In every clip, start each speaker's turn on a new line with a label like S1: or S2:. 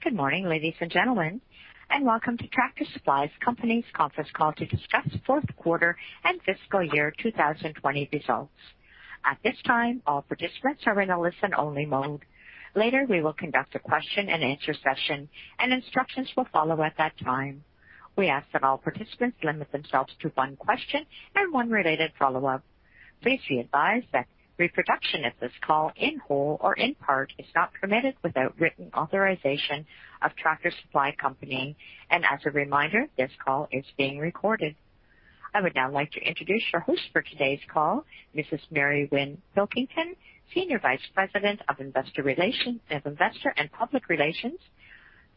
S1: Good morning, ladies and gentlemen, and welcome to Tractor Supply Company's conference call to discuss fourth quarter and fiscal year 2020 results. At this time, all participants are in a listen-only mode. Later, we will conduct a question-and-answer session, and instructions will follow at that time. We ask that all participants limit themselves to one question and one related follow-up. Please be advised that reproduction of this call in whole or in part is not permitted without written authorization of Tractor Supply Company. As a reminder, this call is being recorded. I would now like to introduce your host for today's call, Mrs. Mary Winn Pilkington, Senior Vice President of Investor and Public Relations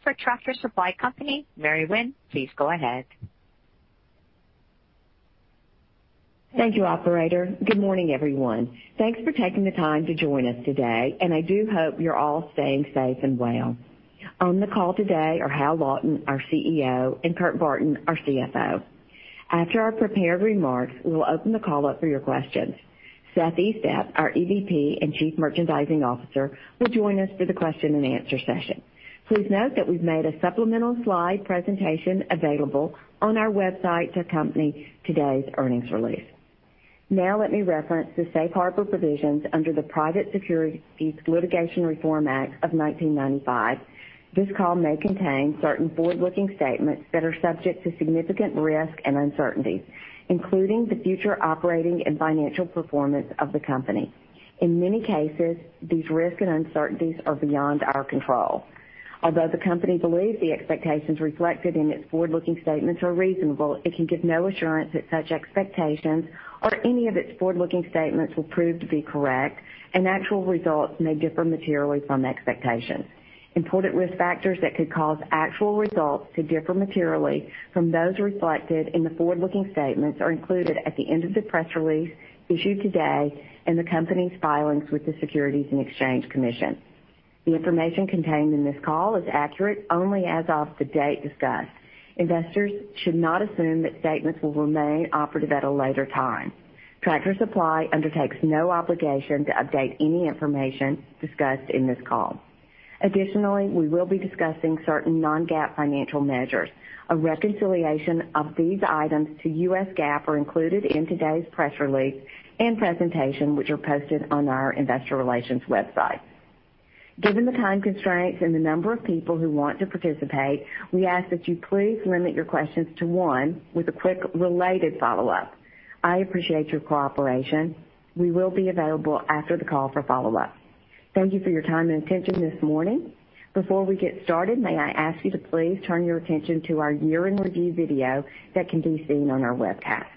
S1: for Tractor Supply Company. Mary Winn, please go ahead.
S2: Thank you, operator. Good morning, everyone. Thanks for taking the time to join us today, and I do hope you're all staying safe and well. On the call today are Hal Lawton, our CEO, and Kurt Barton, our CFO. After our prepared remarks, we'll open the call up for your questions. Seth Estep, our EVP and Chief Merchandising Officer, will join us for the question and answer session. Please note that we've made a supplemental slide presentation available on our website to accompany today's earnings release. Let me reference the Safe Harbor provisions under the Private Securities Litigation Reform Act of 1995. This call may contain certain forward-looking statements that are subject to significant risk and uncertainty, including the future operating and financial performance of the company. In many cases, these risks and uncertainties are beyond our control. Although the company believes the expectations reflected in its forward-looking statements are reasonable, it can give no assurance that such expectations or any of its forward-looking statements will prove to be correct, and actual results may differ materially from expectations. Important risk factors that could cause actual results to differ materially from those reflected in the forward-looking statements are included at the end of the press release issued today and the company's filings with the Securities and Exchange Commission. The information contained in this call is accurate only as of the date discussed. Investors should not assume that statements will remain operative at a later time. Tractor Supply undertakes no obligation to update any information discussed in this call. Additionally, we will be discussing certain non-GAAP financial measures. A reconciliation of these items to US GAAP are included in today's press release and presentation, which are posted on our investor relations website. Given the time constraints and the number of people who want to participate, we ask that you please limit your questions to one with a quick related follow-up. I appreciate your cooperation. We will be available after the call for follow-up. Thank you for your time and attention this morning. Before we get started, may I ask you to please turn your attention to our year-in-review video that can be seen on our webcast.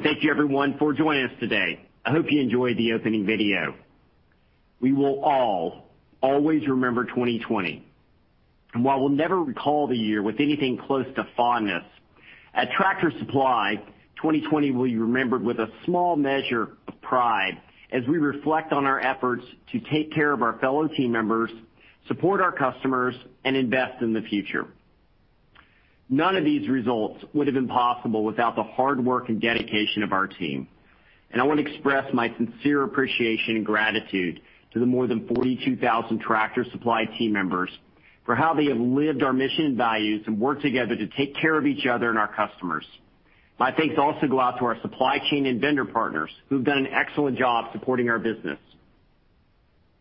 S3: Good morning, and thank you everyone for joining us today. I hope you enjoyed the opening video. We will all always remember 2020. While we'll never recall the year with anything close to fondness, at Tractor Supply, 2020 will be remembered with a small measure of pride as we reflect on our efforts to take care of our fellow team members, support our customers, and invest in the future. None of these results would've been possible without the hard work and dedication of our team, and I want to express my sincere appreciation and gratitude to the more than 42,000 Tractor Supply team members for how they have lived our mission and values and worked together to take care of each other and our customers. My thanks also go out to our supply chain and vendor partners who've done an excellent job supporting our business.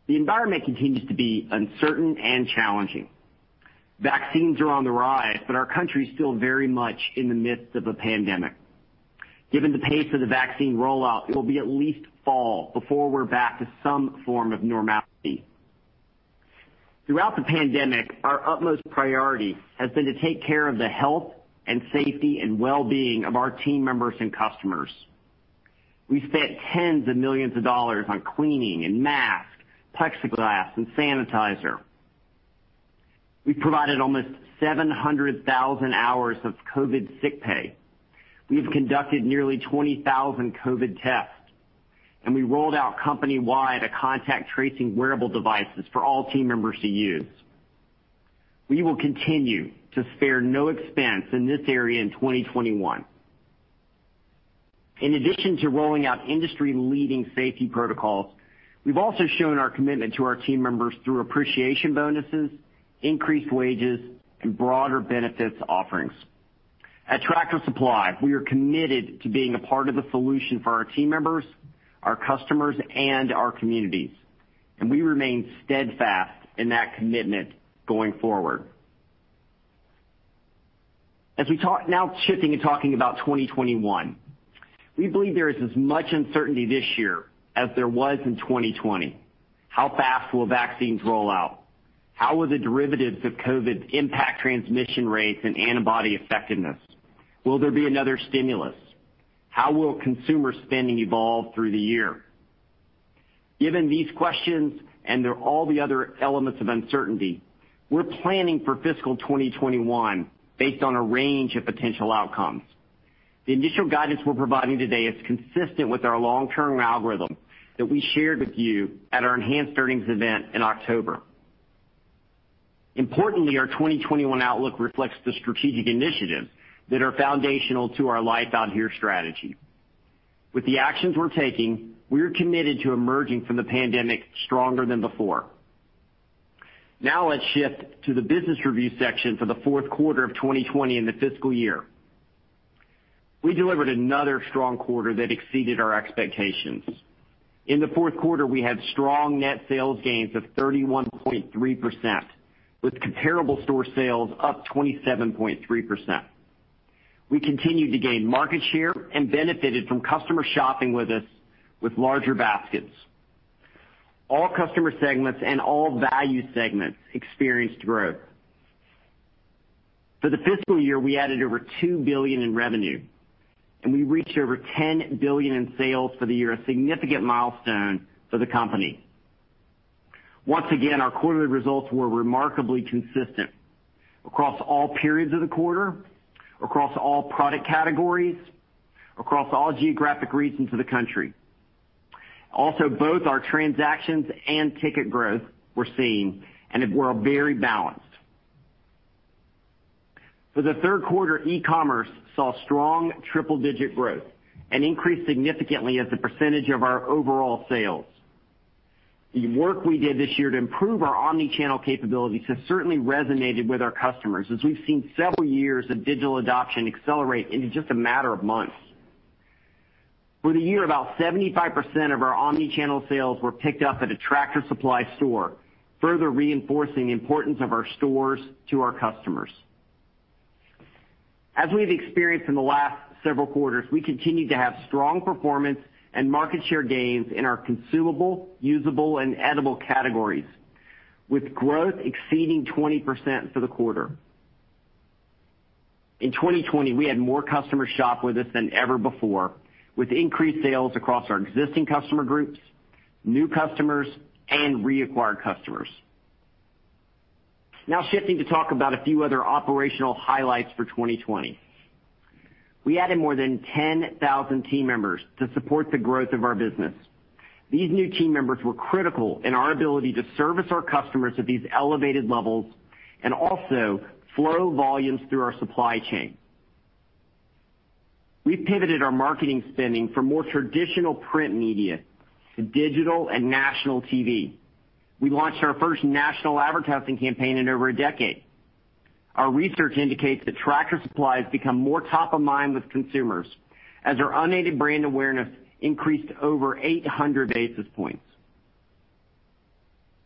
S3: The environment continues to be uncertain and challenging. Vaccines are on the rise, but our country's still very much in the midst of a pandemic. Given the pace of the vaccine rollout, it will be at least fall before we're back to some form of normality. Throughout the pandemic, our utmost priority has been to take care of the health and safety and wellbeing of our team members and customers. We've spent tens of millions of dollars on cleaning and masks, plexiglass and sanitizer. We've provided almost 700,000 hours of COVID sick pay. We've conducted nearly 20,000 COVID tests, and we rolled out company-wide a contact tracing wearable devices for all team members to use. We will continue to spare no expense in this area in 2021. In addition to rolling out industry-leading safety protocols, we've also shown our commitment to our team members through appreciation bonuses, increased wages, and broader benefits offerings. At Tractor Supply, we are committed to being a part of the solution for our team members, our customers, and our communities, we remain steadfast in that commitment going forward. Shifting and talking about 2021, we believe there is as much uncertainty this year as there was in 2020. How fast will vaccines roll out? How will the derivatives of COVID impact transmission rates and antibody effectiveness? Will there be another stimulus? How will consumer spending evolve through the year? Given these questions and all the other elements of uncertainty, we're planning for fiscal 2021 based on a range of potential outcomes. The initial guidance we're providing today is consistent with our long-term algorithm that we shared with you at our enhanced earnings event in October. Importantly, our 2021 outlook reflects the strategic initiatives that are foundational to our Life Out Here strategy. With the actions we're taking, we're committed to emerging from the pandemic stronger than before. Now let's shift to the business review section for the fourth quarter of 2020 and the fiscal year. We delivered another strong quarter that exceeded our expectations. In the fourth quarter, we had strong net sales gains of 31.3%, with comparable store sales up 27.3%. We continued to gain market share and benefited from customer shopping with us with larger baskets. All customer segments and all value segments experienced growth. For the fiscal year, we added over $2 billion in revenue. We reached over $10 billion in sales for the year, a significant milestone for the company. Once again, our quarterly results were remarkably consistent across all periods of the quarter, across all product categories, across all geographic regions of the country. Both our transactions and ticket growth we're seeing, and they were very balanced. For the third quarter, e-commerce saw strong triple-digit growth and increased significantly as a percentage of our overall sales. The work we did this year to improve our omni-channel capabilities has certainly resonated with our customers as we've seen several years of digital adoption accelerate into just a matter of months. For the year, about 75% of our omni-channel sales were picked up at a Tractor Supply store, further reinforcing the importance of our stores to our customers. As we've experienced in the last several quarters, we continue to have strong performance and market share gains in our consumable, usable, and edible categories, with growth exceeding 20% for the quarter. In 2020, we had more customers shop with us than ever before, with increased sales across our existing customer groups, new customers, and reacquired customers. Shifting to talk about a few other operational highlights for 2020. We added more than 10,000 team members to support the growth of our business. These new team members were critical in our ability to service our customers at these elevated levels and also flow volumes through our supply chain. We pivoted our marketing spending from more traditional print media to digital and national TV. We launched our first national advertising campaign in over a decade. Our research indicates that Tractor Supply has become more top of mind with consumers as our unaided brand awareness increased over 800 basis points.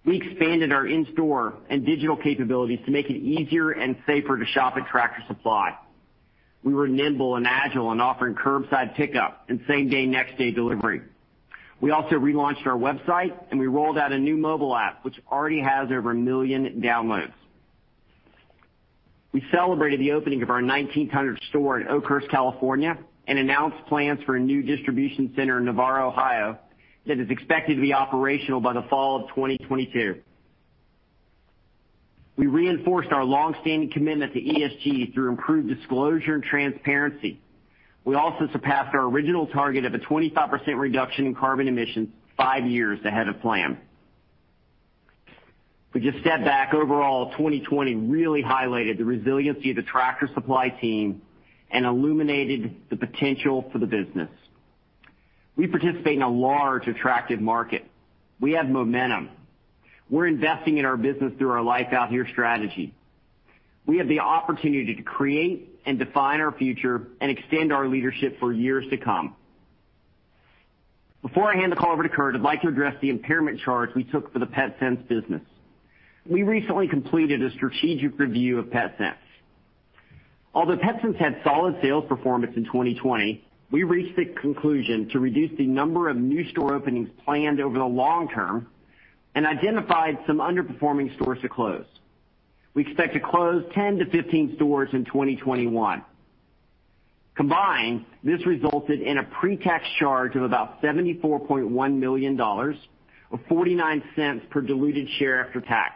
S3: We expanded our in-store and digital capabilities to make it easier and safer to shop at Tractor Supply. We were nimble and agile in offering curbside pickup and same-day, next-day delivery. We also relaunched our website, and we rolled out a new mobile app which already has over 1 million downloads. We celebrated the opening of our 1,900th store in Oakhurst, California, and announced plans for a new distribution center in Navarre, Ohio, that is expected to be operational by the fall of 2022. We reinforced our longstanding commitment to ESG through improved disclosure and transparency. We also surpassed our original target of a 25% reduction in carbon emissions five years ahead of plan. If we just step back, overall, 2020 really highlighted the resiliency of the Tractor Supply team and illuminated the potential for the business. We participate in a large attractive market. We have momentum. We're investing in our business through our Life Out Here strategy. We have the opportunity to create and define our future and extend our leadership for years to come. Before I hand the call over to Kurt, I'd like to address the impairment charge we took for the Petsense business. We recently completed a strategic review of Petsense. Although Petsense had solid sales performance in 2020, we reached the conclusion to reduce the number of new store openings planned over the long term and identified some underperforming stores to close. We expect to close 10-15 stores in 2021. Combined, this resulted in a pre-tax charge of about $74.1 million, or $0.49 per diluted share after tax.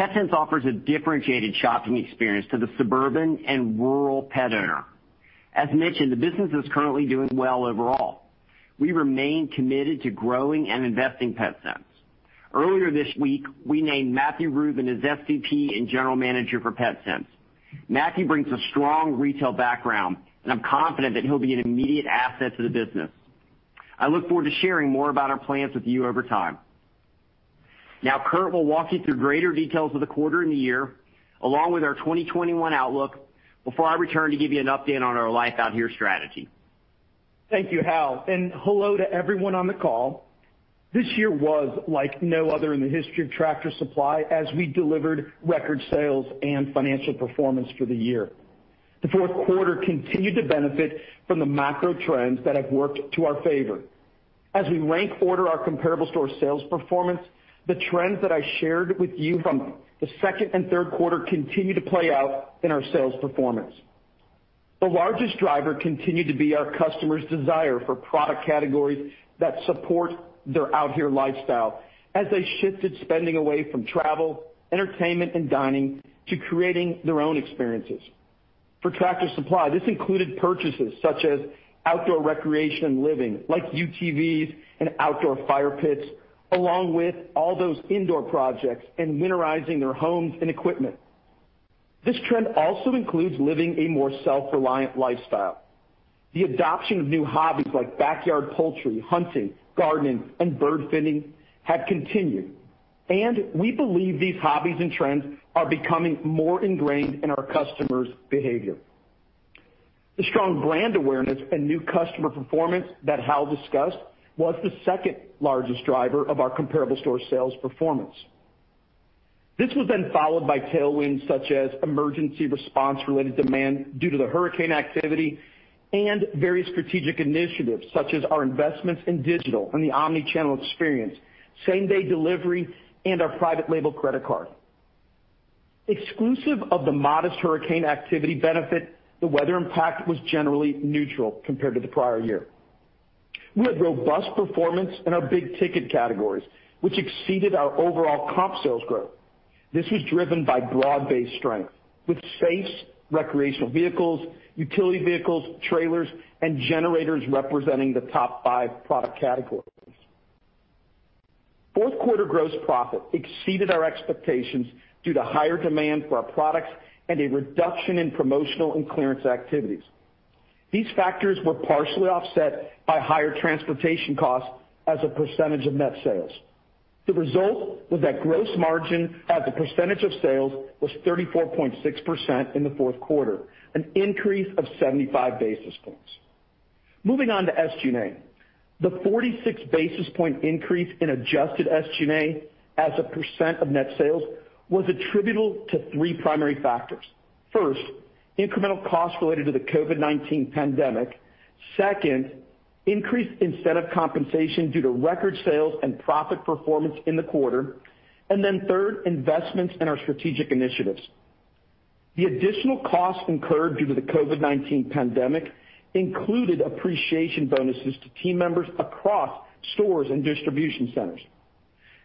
S3: Petsense offers a differentiated shopping experience to the suburban and rural pet owner. As mentioned, the business is currently doing well overall. We remain committed to growing and investing Petsense. Earlier this week, we named Matthew Rubin as SVP and General Manager for Petsense. Matthew brings a strong retail background, and I'm confident that he'll be an immediate asset to the business. I look forward to sharing more about our plans with you over time. Now, Kurt will walk you through greater details of the quarter and the year, along with our 2021 outlook, before I return to give you an update on our Life Out Here strategy.
S4: Thank you, Hal, and hello to everyone on the call. This year was like no other in the history of Tractor Supply as we delivered record sales and financial performance for the year. The fourth quarter continued to benefit from the macro trends that have worked to our favor. As we rank order our comparable store sales performance, the trends that I shared with you from the second and third quarter continue to play out in our sales performance. The largest driver continued to be our customers' desire for product categories that support their Out Here lifestyle as they shifted spending away from travel, entertainment, and dining to creating their own experiences. For Tractor Supply, this included purchases such as outdoor recreation and living, like UTVs and outdoor fire pits, along with all those indoor projects and winterizing their homes and equipment. This trend also includes living a more self-reliant lifestyle. The adoption of new hobbies like backyard poultry, hunting, gardening, and bird feeding have continued, and we believe these hobbies and trends are becoming more ingrained in our customers' behavior. The strong brand awareness and new customer performance that Hal discussed was the second-largest driver of our comparable store sales performance. This was then followed by tailwinds such as emergency response-related demand due to the hurricane activity and various strategic initiatives such as our investments in digital and the omni-channel experience, same-day delivery, and our private label credit card. Exclusive of the modest hurricane activity benefit, the weather impact was generally neutral compared to the prior year. We had robust performance in our big-ticket categories, which exceeded our overall comp sales growth. This was driven by broad-based strength with safes, recreational vehicles, utility vehicles, trailers, and generators representing the top five product categories. Fourth quarter gross profit exceeded our expectations due to higher demand for our products and a reduction in promotional and clearance activities. These factors were partially offset by higher transportation costs as a percentage of net sales. The result was that gross margin as a percentage of sales was 34.6% in the fourth quarter, an increase of 75 basis points. Moving on to SG&A. The 46 basis point increase in adjusted SG&A as a percent of net sales was attributable to three primary factors. First, incremental costs related to the COVID-19 pandemic. Second, increased incentive compensation due to record sales and profit performance in the quarter. Third, investments in our strategic initiatives. The additional costs incurred due to the COVID-19 pandemic included appreciation bonuses to team members across stores and distribution centers,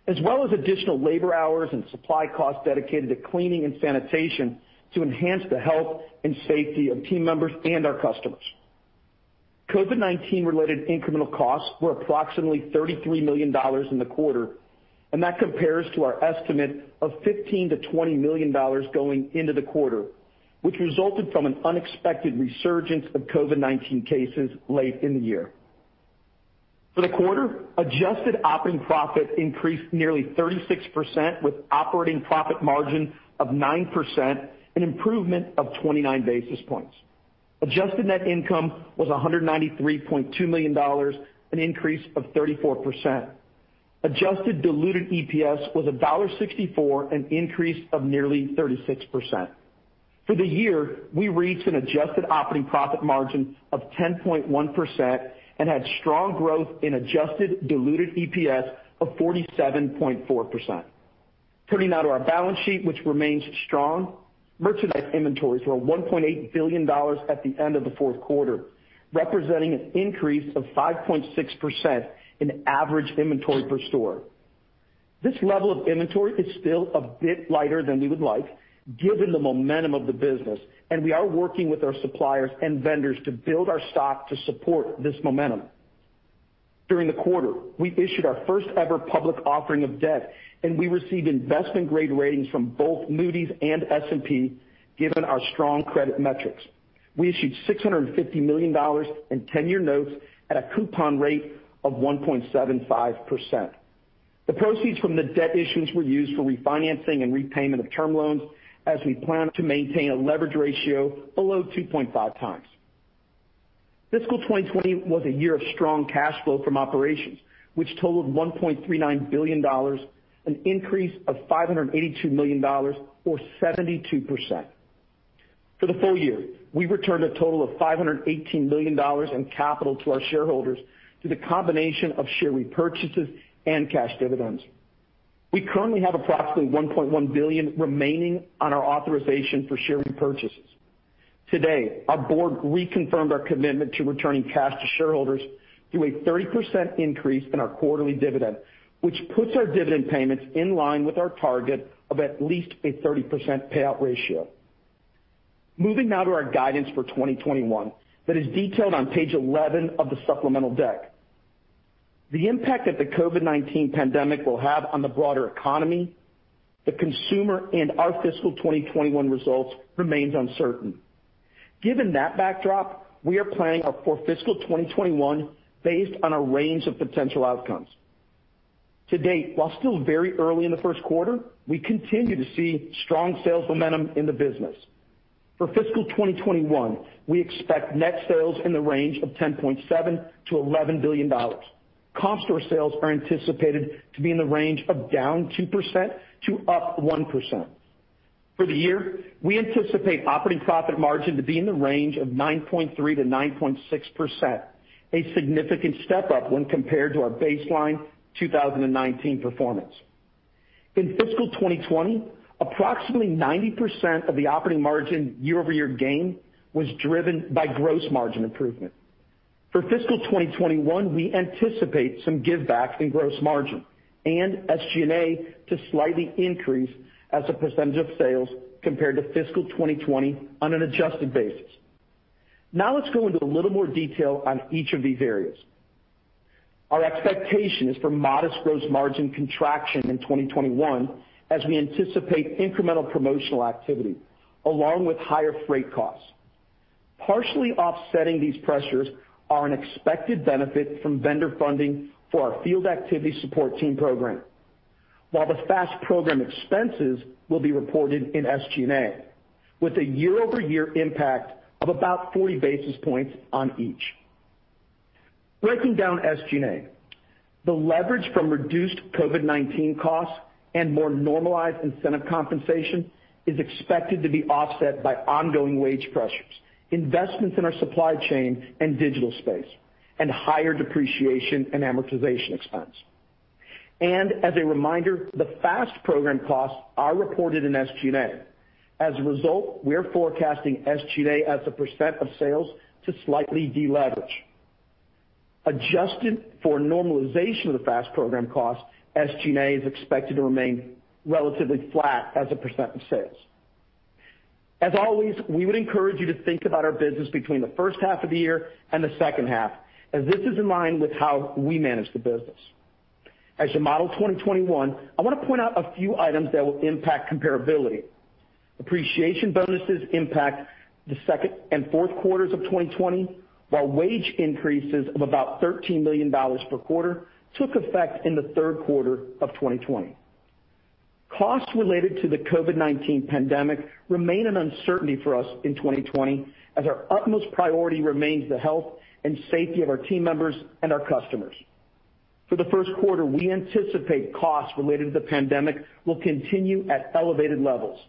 S4: as well as additional labor hours and supply costs dedicated to cleaning and sanitation to enhance the health and safety of team members and our customers. COVID-19 related incremental costs were approximately $33 million in the quarter, and that compares to our estimate of $15 million-$20 million going into the quarter, which resulted from an unexpected resurgence of COVID-19 cases late in the year. For the quarter, adjusted operating profit increased nearly 36%, with operating profit margin of 9%, an improvement of 29 basis points. Adjusted net income was $193.2 million, an increase of 34%. Adjusted diluted EPS was $1.64, an increase of nearly 36%. For the year, we reached an adjusted operating profit margin of 10.1% and had strong growth in adjusted diluted EPS of 47.4%. Turning now to our balance sheet, which remains strong. Merchandise inventories were $1.8 billion at the end of the fourth quarter, representing an increase of 5.6% in average inventory per store. This level of inventory is still a bit lighter than we would like given the momentum of the business, and we are working with our suppliers and vendors to build our stock to support this momentum. During the quarter, we issued our first ever public offering of debt, and we received investment-grade ratings from both Moody's and S&P, given our strong credit metrics. We issued $650 million in 10-year notes at a coupon rate of 1.75%. The proceeds from the debt issuance were used for refinancing and repayment of term loans as we plan to maintain a leverage ratio below 2.5x. Fiscal 2020 was a year of strong cash flow from operations, which totaled $1.39 billion, an increase of $582 million or 72%. For the full-year, we returned a total of $518 million in capital to our shareholders through the combination of share repurchases and cash dividends. We currently have approximately $1.1 billion remaining on our authorization for share repurchases. Today, our board reconfirmed our commitment to returning cash to shareholders through a 30% increase in our quarterly dividend, which puts our dividend payments in line with our target of at least a 30% payout ratio. Moving now to our guidance for 2021, that is detailed on page 11 of the supplemental deck. The impact that the COVID-19 pandemic will have on the broader economy, the consumer, and our fiscal 2021 results remains uncertain. Given that backdrop, we are planning our core fiscal 2021 based on a range of potential outcomes. To date, while still very early in the first quarter, we continue to see strong sales momentum in the business. For fiscal 2021, we expect net sales in the range of $10.7 billion-$11 billion. Comp store sales are anticipated to be in the range of down 2% to up 1%. For the year, we anticipate operating profit margin to be in the range of 9.3%-9.6%, a significant step up when compared to our baseline 2019 performance. In fiscal 2020, approximately 90% of the operating margin year-over-year gain was driven by gross margin improvement. For fiscal 2021, we anticipate some give back in gross margin and SG&A to slightly increase as a percentage of sales compared to fiscal 2020 on an adjusted basis. Let's go into a little more detail on each of these areas. Our expectation is for modest gross margin contraction in 2021 as we anticipate incremental promotional activity along with higher freight costs. Partially offsetting these pressures are an expected benefit from vendor funding for our Field Activity Support Team program. While the FAST program expenses will be reported in SG&A with a year-over-year impact of about 40 basis points on each. Breaking down SG&A. The leverage from reduced COVID-19 costs and more normalized incentive compensation is expected to be offset by ongoing wage pressures, investments in our supply chain and digital space, and higher depreciation and amortization expense. As a reminder, the FAST program costs are reported in SG&A. We are forecasting SG&A as a % of sales to slightly de-leverage. Adjusted for normalization of the FAST program costs, SG&A is expected to remain relatively flat as a % of sales. As always, we would encourage you to think about our business between the first half of the year and the second half, as this is in line with how we manage the business. As you model 2021, I want to point out a few items that will impact comparability. Appreciation bonuses impact the second and fourth quarters of 2020, while wage increases of about $13 million per quarter took effect in the third quarter of 2020. Costs related to the COVID-19 pandemic remain an uncertainty for us in 2020, as our utmost priority remains the health and safety of our team members and our customers. For the first quarter, we anticipate costs related to the pandemic will continue at elevated levels.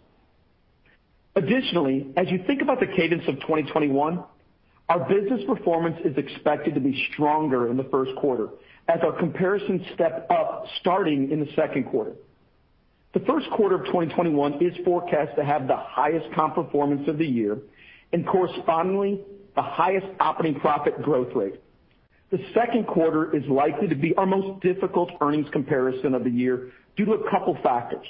S4: Additionally, as you think about the cadence of 2021, our business performance is expected to be stronger in the first quarter as our comparisons step up starting in the second quarter. The first quarter of 2021 is forecast to have the highest comp performance of the year and correspondingly, the highest operating profit growth rate. The second quarter is likely to be our most difficult earnings comparison of the year due to a couple factors.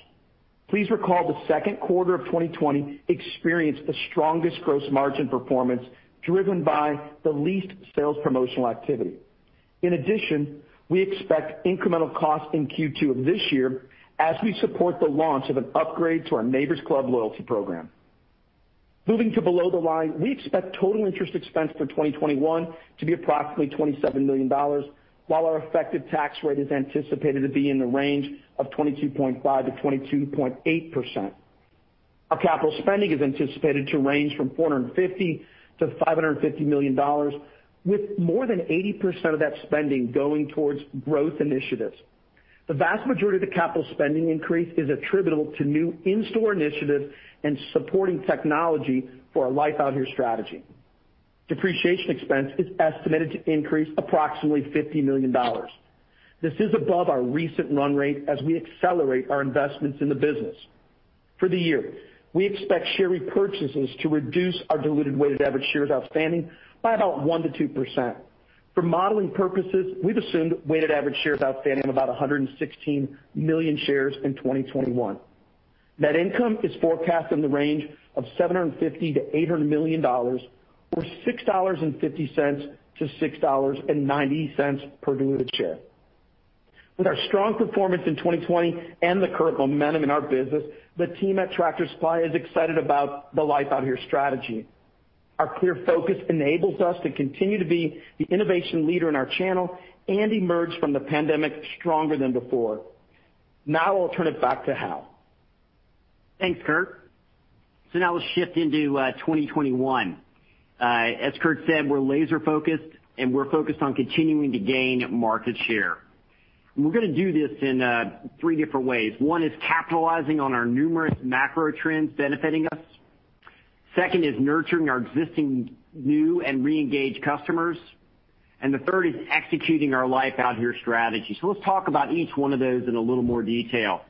S4: Please recall the second quarter of 2020 experienced the strongest gross margin performance, driven by the least sales promotional activity. In addition, we expect incremental costs in Q2 of this year as we support the launch of an upgrade to our Neighbor's Club loyalty program. Moving to below the line, we expect total interest expense for 2021 to be approximately $27 million, while our effective tax rate is anticipated to be in the range of 22.5%-22.8%. Our capital spending is anticipated to range from $450 million-$550 million, with more than 80% of that spending going towards growth initiatives. The vast majority of the capital spending increase is attributable to new in-store initiatives and supporting technology for our Life Out Here strategy. Depreciation expense is estimated to increase approximately $50 million. This is above our recent run rate as we accelerate our investments in the business. For the year, we expect share repurchases to reduce our diluted weighted average shares outstanding by about 1%-2%. For modeling purposes, we've assumed weighted average shares outstanding of about 116 million shares in 2021. Net income is forecast in the range of $750 million-$800 million, or $6.50-$6.90 per diluted share. With our strong performance in 2020 and the current momentum in our business, the team at Tractor Supply is excited about the Life Out Here strategy. Our clear focus enables us to continue to be the innovation leader in our channel and emerge from the pandemic stronger than before. Now I'll turn it back to Hal.
S3: Thanks, Kurt. Now let's shift into 2021. As Kurt said, we're laser-focused, and we're focused on continuing to gain market share. We're going to do this in three different ways. One is capitalizing on our numerous macro trends benefiting us. Second is nurturing our existing, new, and re-engaged customers. The third is executing our Life Out Here strategy. Let's talk about each one of those in a little more detail.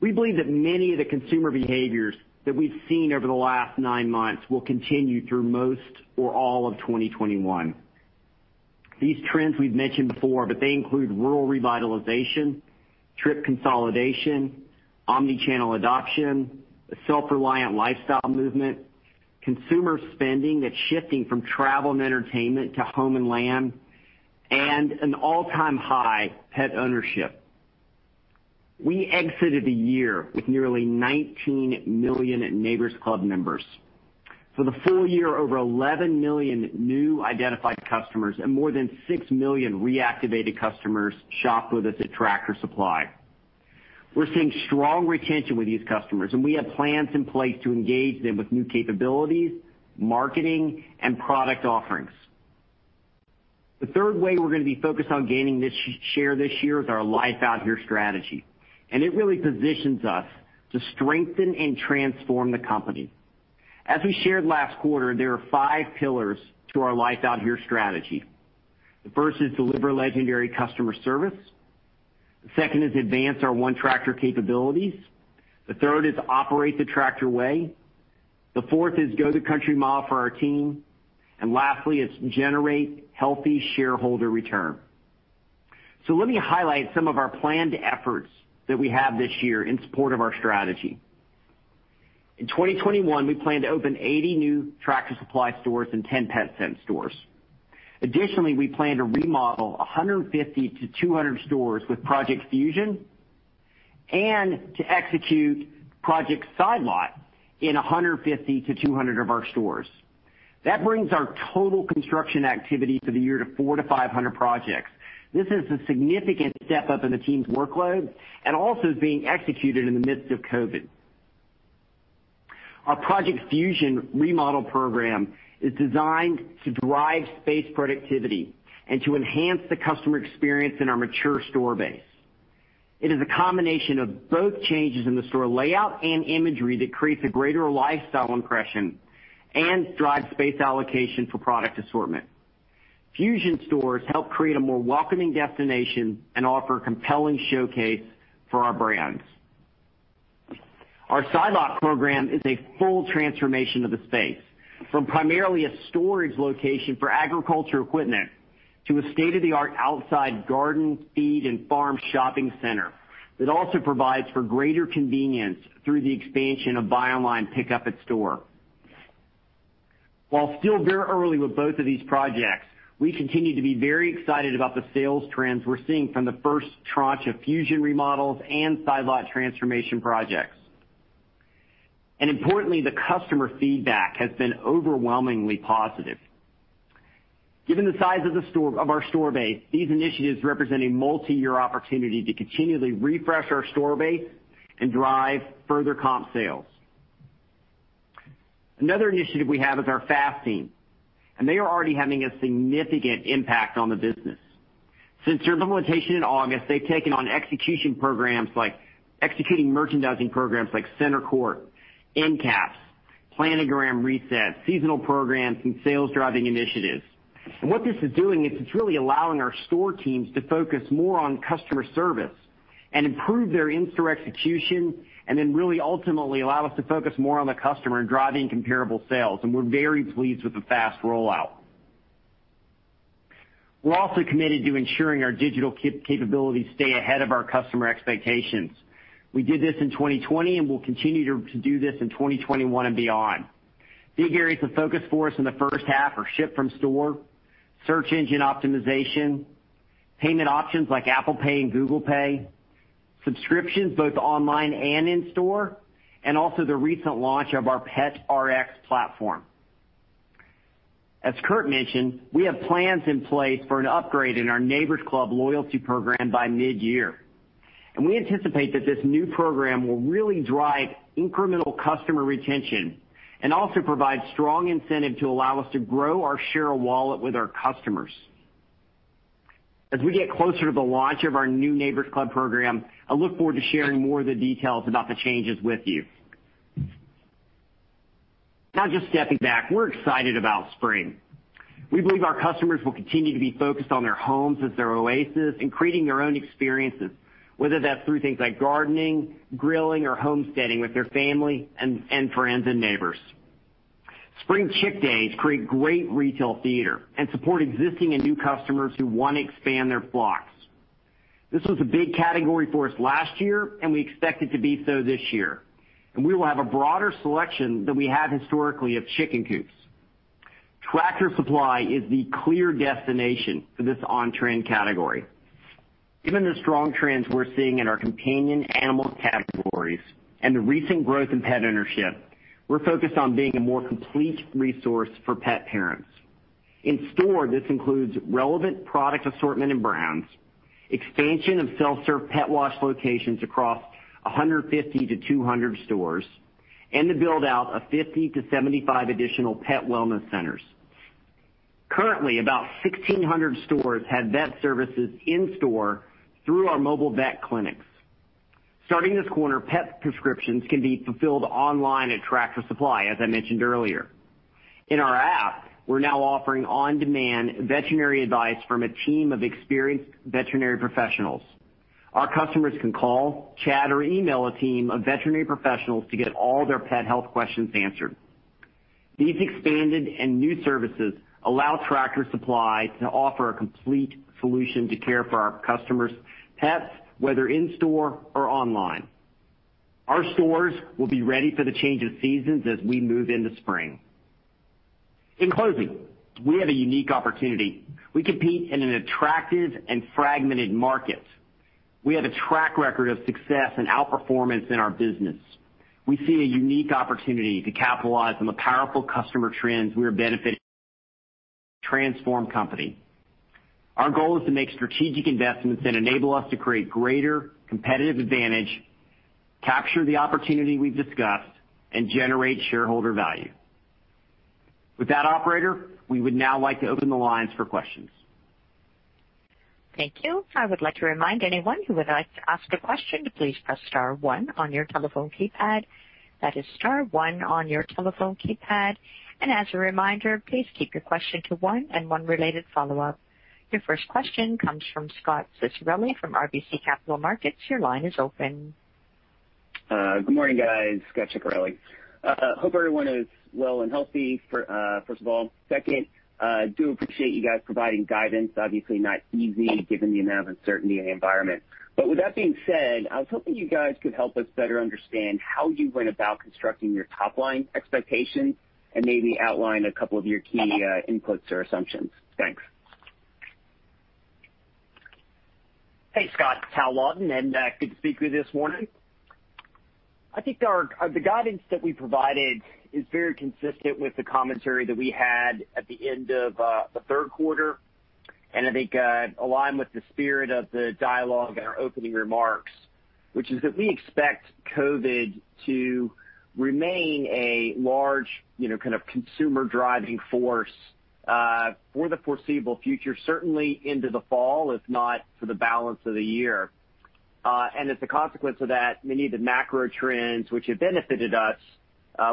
S3: We believe that many of the consumer behaviors that we've seen over the last nine months will continue through most or all of 2021. These trends we've mentioned before, but they include rural revitalization, trip consolidation, omnichannel adoption, a self-reliant lifestyle movement, consumer spending that's shifting from travel and entertainment to home and land, and an all-time high pet ownership. We exited the year with nearly 19 million Neighbor's Club members. For the full-year, over 11 million new identified customers and more than 6 million reactivated customers shopped with us at Tractor Supply. We're seeing strong retention with these customers, and we have plans in place to engage them with new capabilities, marketing, and product offerings. The third way we're gonna be focused on gaining share this year is our Life Out Here strategy, and it really positions us to strengthen and transform the company. As we shared last quarter, there are five pillars to our Life Out Here strategy. The first is deliver legendary customer service. The second is advance our ONETractor capabilities. The third is operate the Tractor way. The fourth is go the country mile for our team. Lastly is generate healthy shareholder return. Let me highlight some of our planned efforts that we have this year in support of our strategy. In 2021, we plan to open 80 new Tractor Supply stores and 10 Petsense stores. Additionally, we plan to remodel 150-200 stores with Project Fusion and to execute Project Side Lot in 150-200 of our stores. That brings our total construction activity for the year to 400-500 projects. This is a significant step up in the team's workload and also is being executed in the midst of COVID. Our Project Fusion remodel program is designed to drive space productivity and to enhance the customer experience in our mature store base. It is a combination of both changes in the store layout and imagery that creates a greater lifestyle impression and drives space allocation for product assortment. Fusion stores help create a more welcoming destination and offer a compelling showcase for our brands. Our Side Lot program is a full transformation of the space from primarily a storage location for agriculture equipment to a state-of-the-art outside garden, feed, and farm shopping center that also provides for greater convenience through the expansion of buy online, pickup in store. While still very early with both of these projects, we continue to be very excited about the sales trends we're seeing from the first tranche of Fusion remodels and Side Lot transformation projects. Importantly, the customer feedback has been overwhelmingly positive. Given the size of our store base, these initiatives represent a multi-year opportunity to continually refresh our store base and drive further comp sales. Another initiative we have is our FAST team, and they are already having a significant impact on the business. Since their implementation in August, they've taken on execution programs like executing merchandising programs like center court, endcap, planogram reset, seasonal programs, and sales-driving initiatives. What this is doing is it's really allowing our store teams to focus more on customer service and improve their in-store execution, then really ultimately allow us to focus more on the customer and driving comparable sales. We're very pleased with the FAST rollout. We're also committed to ensuring our digital capabilities stay ahead of our customer expectations. We did this in 2020, and we'll continue to do this in 2021 and beyond. Big areas of focus for us in the first half are ship from store, search engine optimization, payment options like Apple Pay and Google Pay, subscriptions both online and in-store, and also the recent launch of our PetRx platform. As Kurt mentioned, we have plans in place for an upgrade in our Neighbor's Club loyalty program by mid-year. We anticipate that this new program will really drive incremental customer retention and also provide strong incentive to allow us to grow our share of wallet with our customers. As we get closer to the launch of our new Neighbor's Club program, I look forward to sharing more of the details about the changes with you. Now, just stepping back, we're excited about spring. We believe our customers will continue to be focused on their homes as their oasis and creating their own experiences, whether that's through things like gardening, grilling, or homesteading with their family and friends and neighbors. Spring Chick Days create great retail theater and support existing and new customers who want to expand their flocks. This was a big category for us last year. We expect it to be so this year. We will have a broader selection than we have historically of chicken coops. Tractor Supply is the clear destination for this on-trend category. Given the strong trends we're seeing in our companion animal categories and the recent growth in pet ownership, we're focused on being a more complete resource for pet parents. In store, this includes relevant product assortment and brands, expansion of self-serve pet wash locations across 150-200 stores, and the build-out of 50-75 additional pet wellness centers. Currently, about 1,600 stores have vet services in store through our mobile vet clinics. Starting this quarter, pet prescriptions can be fulfilled online at Tractor Supply, as I mentioned earlier. In our app, we're now offering on-demand veterinary advice from a team of experienced veterinary professionals. Our customers can call, chat, or email a team of veterinary professionals to get all their pet health questions answered. These expanded and new services allow Tractor Supply to offer a complete solution to care for our customers' pets, whether in store or online. Our stores will be ready for the change of seasons as we move into spring. In closing, we have a unique opportunity. We compete in an attractive and fragmented market. We have a track record of success and outperformance in our business. We see a unique opportunity to capitalize on the powerful customer trends we are benefiting, transform company. Our goal is to make strategic investments that enable us to create greater competitive advantage, capture the opportunity we've discussed, and generate shareholder value. With that, operator, we would now like to open the lines for questions.
S1: Thank you. I would like to remind anyone who would like to ask a question to please press star one on your telephone keypad. That is star one on your telephone keypad. As a reminder, please keep your question to one and one related follow-up. Your first question comes from Scot Ciccarelli from RBC Capital Markets. Your line is open.
S5: Good morning, guys. Scot Ciccarelli. Hope everyone is well and healthy, first of all. Second, I do appreciate you guys providing guidance. Obviously not easy given the amount of uncertainty in the environment. With that being said, I was hoping you guys could help us better understand how you went about constructing your top-line expectations and maybe outline a couple of your key inputs or assumptions. Thanks.
S3: Hey, Scot. It's Hal Lawton, good to speak with you this morning. I think the guidance that we provided is very consistent with the commentary that we had at the end of the third quarter and I think aligned with the spirit of the dialogue in our opening remarks, which is that we expect COVID to remain a large kind of consumer driving force for the foreseeable future, certainly into the fall, if not for the balance of the year. As a consequence of that, many of the macro trends which have benefited us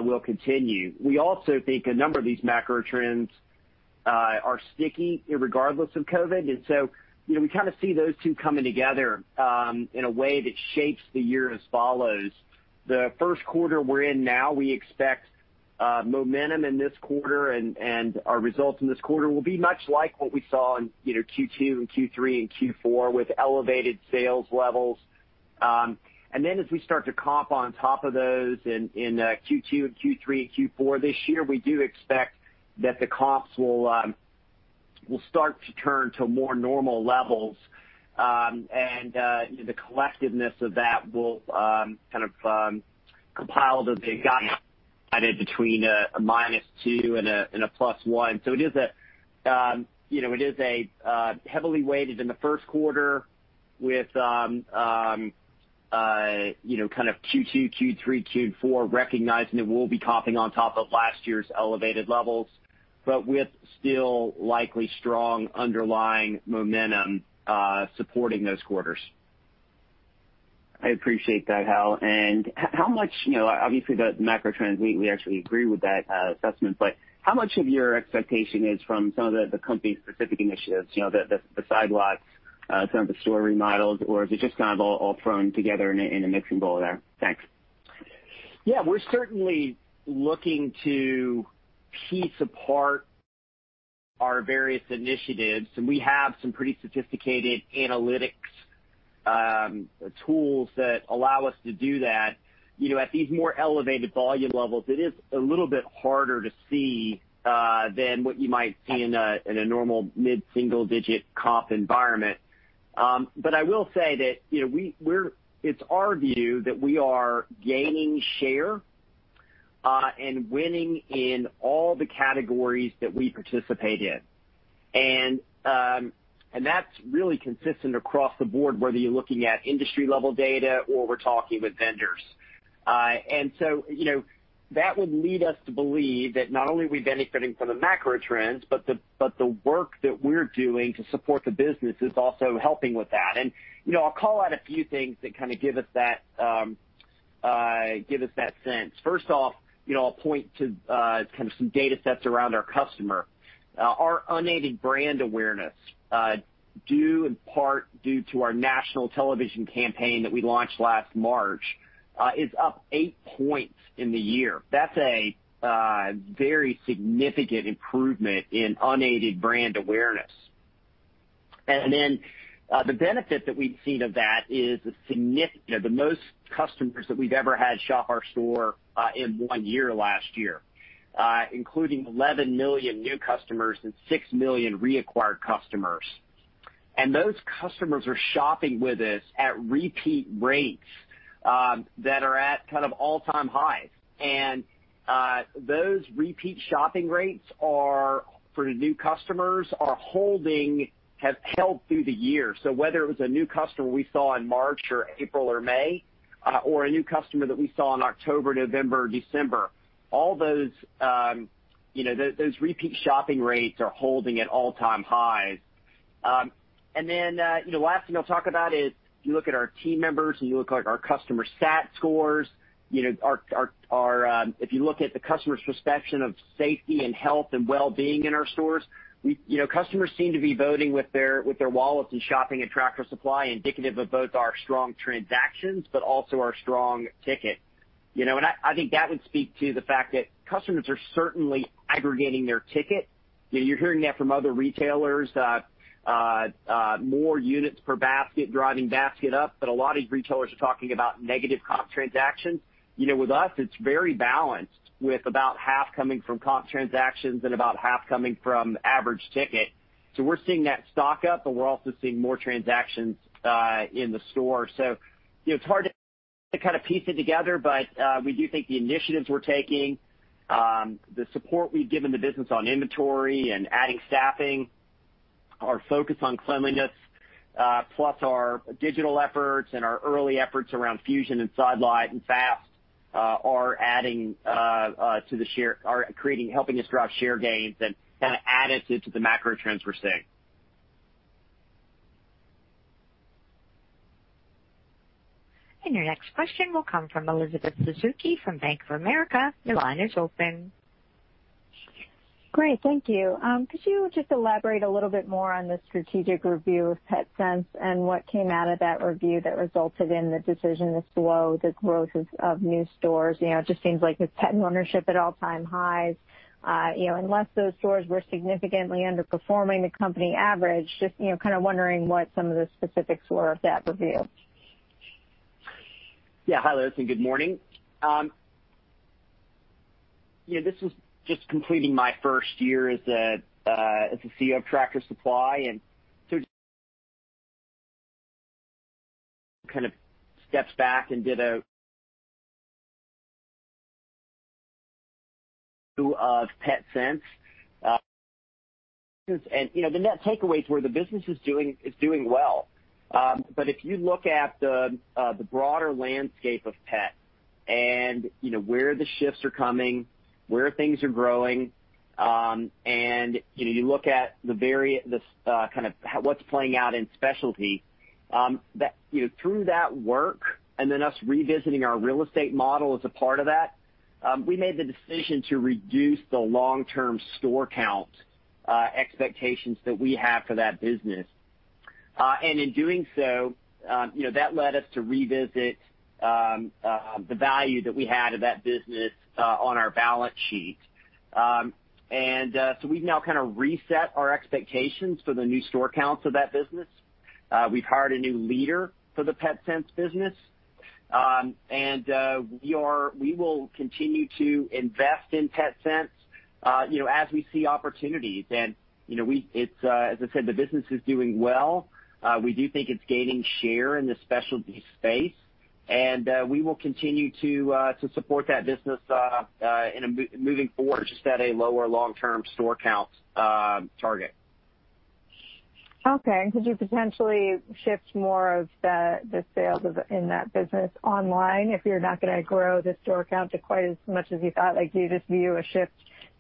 S3: will continue. We also think a number of these macro trends are sticky regardless of COVID, so we kind of see those two coming together in a way that shapes the year as follows. The first quarter we're in now, we expect momentum in this quarter and our results in this quarter will be much like what we saw in Q2 and Q3 and Q4 with elevated sales levels. As we start to comp on top of those in Q2 and Q3 and Q4 this year, we do expect that the comps will start to turn to more normal levels. The collectiveness of that will kind of compile to the guidance between a -2% and a +1%. It is heavily weighted in the first quarter with kind of Q2, Q3, Q4, recognizing that we'll be comping on top of last year's elevated levels, but with still likely strong underlying momentum supporting those quarters.
S5: I appreciate that, Hal. Obviously, the macro trends, we actually agree with that assessment. How much of your expectation is from some of the company's specific initiatives, the Side Lots, some of the store remodels, or is it just kind of all thrown together in a mixing bowl there? Thanks.
S3: Yeah. We're certainly looking to piece apart our various initiatives, and we have some pretty sophisticated analytics tools that allow us to do that. At these more elevated volume levels, it is a little bit harder to see than what you might see in a normal mid-single-digit comp environment. I will say that it's our view that we are gaining share and winning in all the categories that we participate in. That's really consistent across the board, whether you're looking at industry level data or we're talking with vendors. That would lead us to believe that not only are we benefiting from the macro trends, but the work that we're doing to support the business is also helping with that. I'll call out a few things that kind of give us that sense. First off, I'll point to kind of some data sets around our customer. Our unaided brand awareness, due in part due to our national television campaign that we launched last March, is up eight points in the year. That's a very significant improvement in unaided brand awareness. The benefit that we've seen of that is the most customers that we've ever had shop our store in one year last year, including 11 million new customers and 6 million reacquired customers. Those customers are shopping with us at repeat rates that are at kind of all-time highs. Those repeat shopping rates for the new customers have held through the year. Whether it was a new customer we saw in March or April or May, or a new customer that we saw in October, November, December, all those repeat shopping rates are holding at all-time highs. Last thing I'll talk about is if you look at our team members and you look at our customer SAT scores, if you look at the customer's perception of safety and health and wellbeing in our stores, customers seem to be voting with their wallets and shopping at Tractor Supply, indicative of both our strong transactions, but also our strong ticket. I think that would speak to the fact that customers are certainly aggregating their ticket. You're hearing that from other retailers, more units per basket driving basket up. A lot of these retailers are talking about negative comp transactions. With us, it's very balanced with about half coming from comp transactions and about half coming from average ticket. We're seeing that stock up, but we're also seeing more transactions in the store. It's hard to kind of piece it together, but we do think the initiatives we're taking, the support we've given the business on inventory and adding staffing, our focus on cleanliness, plus our digital efforts and our early efforts around Fusion and Side Lot and FAST are helping us drive share gains and kind of added to the macro trends we're seeing.
S1: Your next question will come from Elizabeth Suzuki from Bank of America. Your line is open.
S6: Great. Thank you. Could you just elaborate a little bit more on the strategic review of Petsense and what came out of that review that resulted in the decision to slow the growth of new stores? It just seems like with pet ownership at all-time highs, unless those stores were significantly underperforming the company average, just kind of wondering what some of the specifics were of that review.
S3: Yeah. Hi, Elizabeth, good morning. This was just completing my first year as the CEO of Tractor Supply. kind of steps back and did a of Petsense. The net takeaway is where the business is doing well. If you look at the broader landscape of pet and where the shifts are coming, where things are growing, and you look at what's playing out in specialty, through that work and then us revisiting our real estate model as a part of that, we made the decision to reduce the long-term store count expectations that we have for that business. In doing so, that led us to revisit the value that we had of that business on our balance sheet. We've now kind of reset our expectations for the new store counts of that business. We've hired a new leader for the Petsense business. We will continue to invest in Petsense as we see opportunities. As I said, the business is doing well. We do think it's gaining share in the specialty space, and we will continue to support that business, moving forward, just at a lower long-term store count target.
S6: Okay. Could you potentially shift more of the sales in that business online if you're not going to grow the store count to quite as much as you thought? Like, do you just view a shift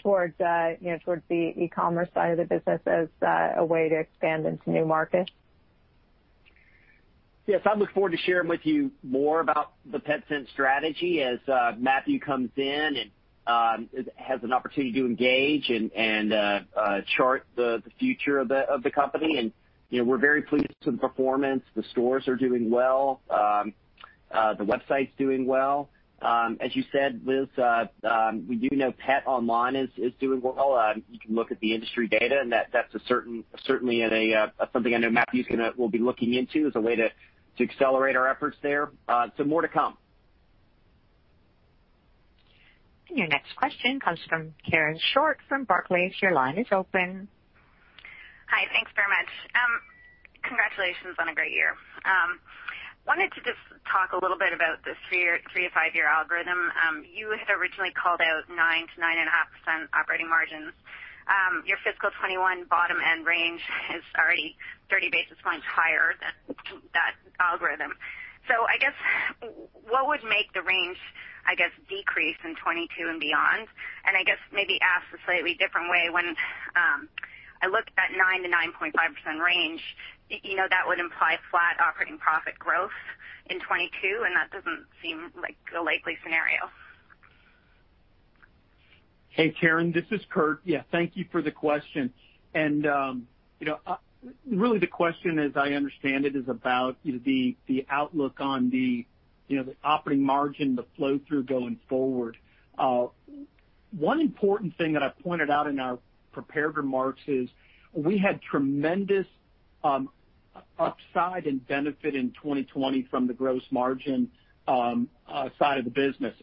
S6: towards the e-commerce side of the business as a way to expand into new markets?
S3: Yes, I look forward to sharing with you more about the Petsense strategy as Matthew comes in and has an opportunity to engage and chart the future of the company. We're very pleased with the performance. The stores are doing well. The website's doing well. As you said, Liz, we do know pet online is doing well. You can look at the industry data, and that's certainly something I know Matthew will be looking into as a way to accelerate our efforts there. More to come.
S1: Your next question comes from Karen Short from Barclays. Your line is open.
S7: Hi. Thanks very much. Congratulations on a great year. Wanted to just talk a little bit about this three to five year algorithm. You had originally called out 9%-9.5% operating margins. Your fiscal 2021 bottom end range is already 30 basis points higher than that algorithm. I guess what would make the range, I guess, decrease in 2022 and beyond? I guess maybe asked a slightly different way, when I looked at 9%-9.5% range, that would imply flat operating profit growth in 2022, and that doesn't seem like a likely scenario.
S4: Hey, Karen, this is Kurt. Yeah, thank you for the question. Really the question, as I understand it, is about the outlook on the operating margin, the flow through going forward. One important thing that I pointed out in our prepared remarks is we had tremendous upside in benefit in 2020 from the gross margin side of the business.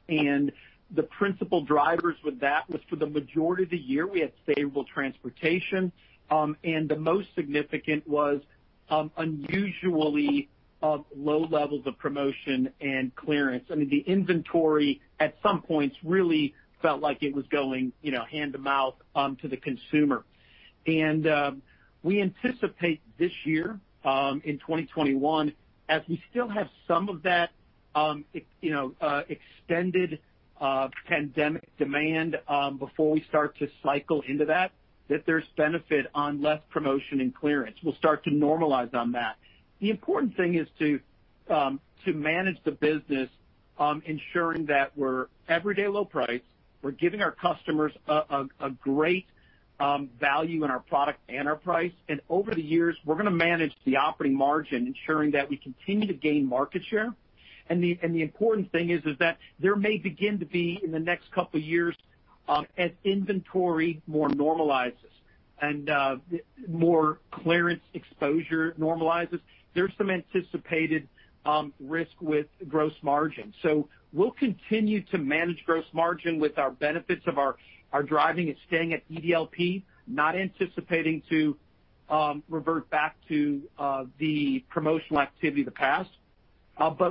S4: The principal drivers with that was for the majority of the year, we had stable transportation. The most significant was unusually low levels of promotion and clearance. I mean, the inventory at some points really felt like it was going hand to mouth to the consumer. We anticipate this year, in 2021, as we still have some of that extended pandemic demand before we start to cycle into that there's benefit on less promotion and clearance. We'll start to normalize on that. The important thing is to manage the business, ensuring that we're everyday low price. We're giving our customers a great value in our product and our price. Over the years, we're going to manage the operating margin, ensuring that we continue to gain market share. The important thing is that there may begin to be, in the next couple of years, as inventory more normalizes and more clearance exposure normalizes, there's some anticipated risk with gross margin. We'll continue to manage gross margin with our benefits of our driving and staying at EDLP, not anticipating to revert back to the promotional activity of the past.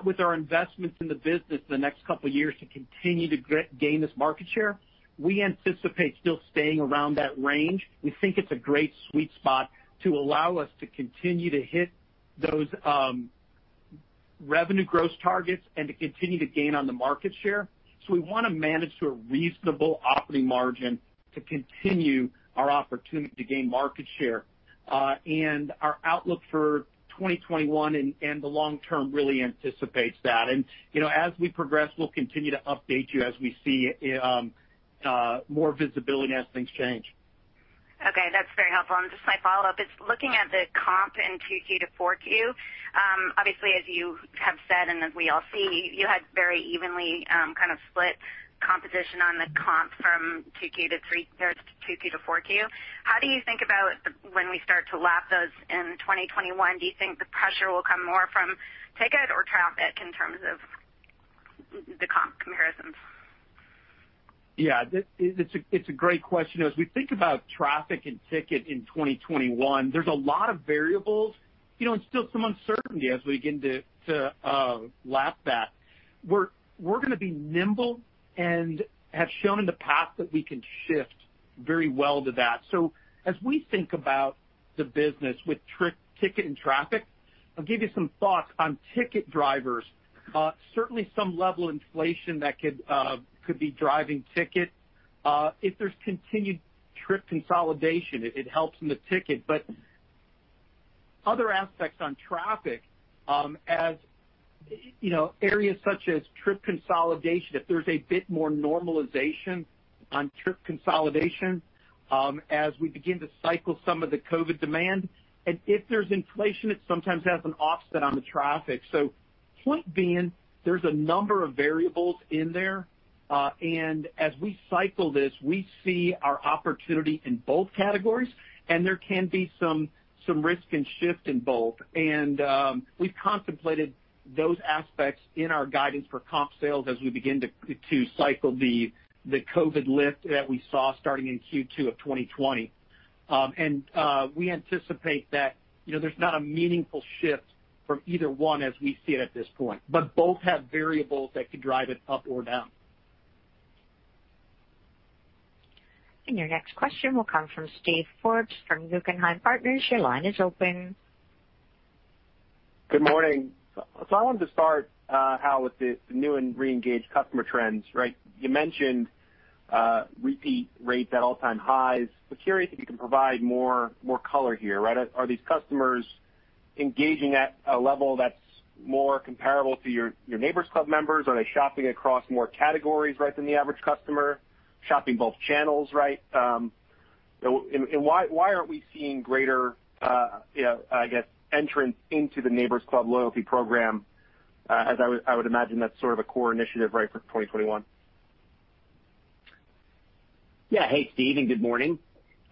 S4: With our investments in the business the next couple of years to continue to gain this market share, we anticipate still staying around that range. We think it's a great sweet spot to allow us to continue to hit those revenue gross targets and to continue to gain on the market share. We want to manage to a reasonable operating margin to continue our opportunity to gain market share. Our outlook for 2021 and the long term really anticipates that. As we progress, we'll continue to update you as we see more visibility as things change.
S7: Okay, that's very helpful. Just my follow-up is looking at the comp in 2Q to 4Q, obviously as you have said and as we all see, you had very evenly kind of split composition on the comp from 2Q to 4Q. How do you think about when we start to lap those in 2021? Do you think the pressure will come more from ticket or traffic in terms of the comp comparisons?
S4: Yeah, it's a great question. As we think about traffic and ticket in 2021, there's a lot of variables and still some uncertainty as we begin to lap that. We're going to be nimble and have shown in the past that we can shift very well to that. As we think about the business with ticket and traffic, I'll give you some thoughts on ticket drivers. Certainly some level of inflation that could be driving ticket. If there's continued trip consolidation, it helps in the ticket. But other aspects on traffic, if there's a bit more normalization on trip consolidation as we begin to cycle some of the COVID-19 demand. If there's inflation, it sometimes has an offset on the traffic. Point being, there's a number of variables in there. As we cycle this, we see our opportunity in both categories, and there can be some risk and shift in both. We've contemplated those aspects in our guidance for comp sales as we begin to cycle the COVID lift that we saw starting in Q2 of 2020. We anticipate that there's not a meaningful shift from either one as we see it at this point. Both have variables that could drive it up or down.
S1: Your next question will come from Steve Forbes from Guggenheim Partners. Your line is open.
S8: Good morning. I wanted to start, Hal, with the new and reengaged customer trends. You mentioned repeat rates at all-time highs. Curious if you can provide more color here. Are these customers engaging at a level that's more comparable to your Neighbor's Club members? Are they shopping across more categories than the average customer? Shopping both channels? Why aren't we seeing greater entrance into the Neighbor's Club loyalty program, as I would imagine that's sort of a core initiative for 2021.
S3: Yeah. Hey, Steve, and good morning.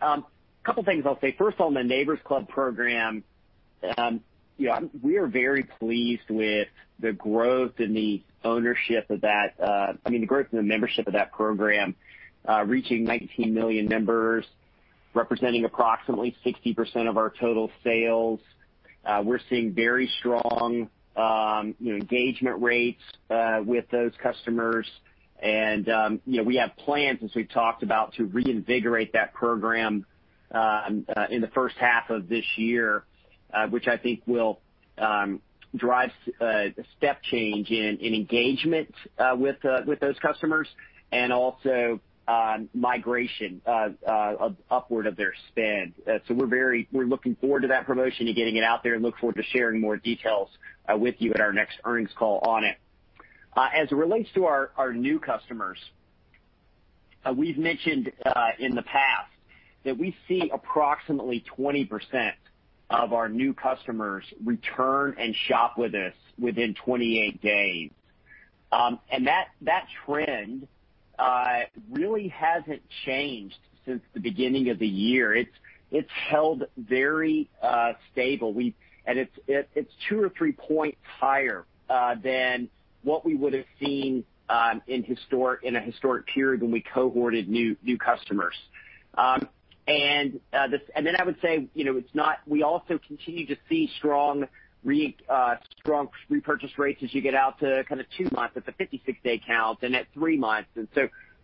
S3: A couple of things I'll say. First of all, on the Neighbor's Club program, we are very pleased with the growth in the membership of that program, reaching 19 million members, representing approximately 60% of our total sales. We have plans, as we've talked about, to reinvigorate that program in the first half of this year, which I think will drive a step change in engagement with those customers, also migration upward of their spend. We're looking forward to that promotion and getting it out there and look forward to sharing more details with you at our next earnings call on it. As it relates to our new customers, we've mentioned in the past that we see approximately 20% of our new customers return and shop with us within 28 days. That trend really hasn't changed since the beginning of the year. It's held very stable. It's two or three points higher than what we would have seen in a historic period when we cohorted new customers. I would say, we also continue to see strong repurchase rates as you get out to kind of two months at the 56-day count and at three months.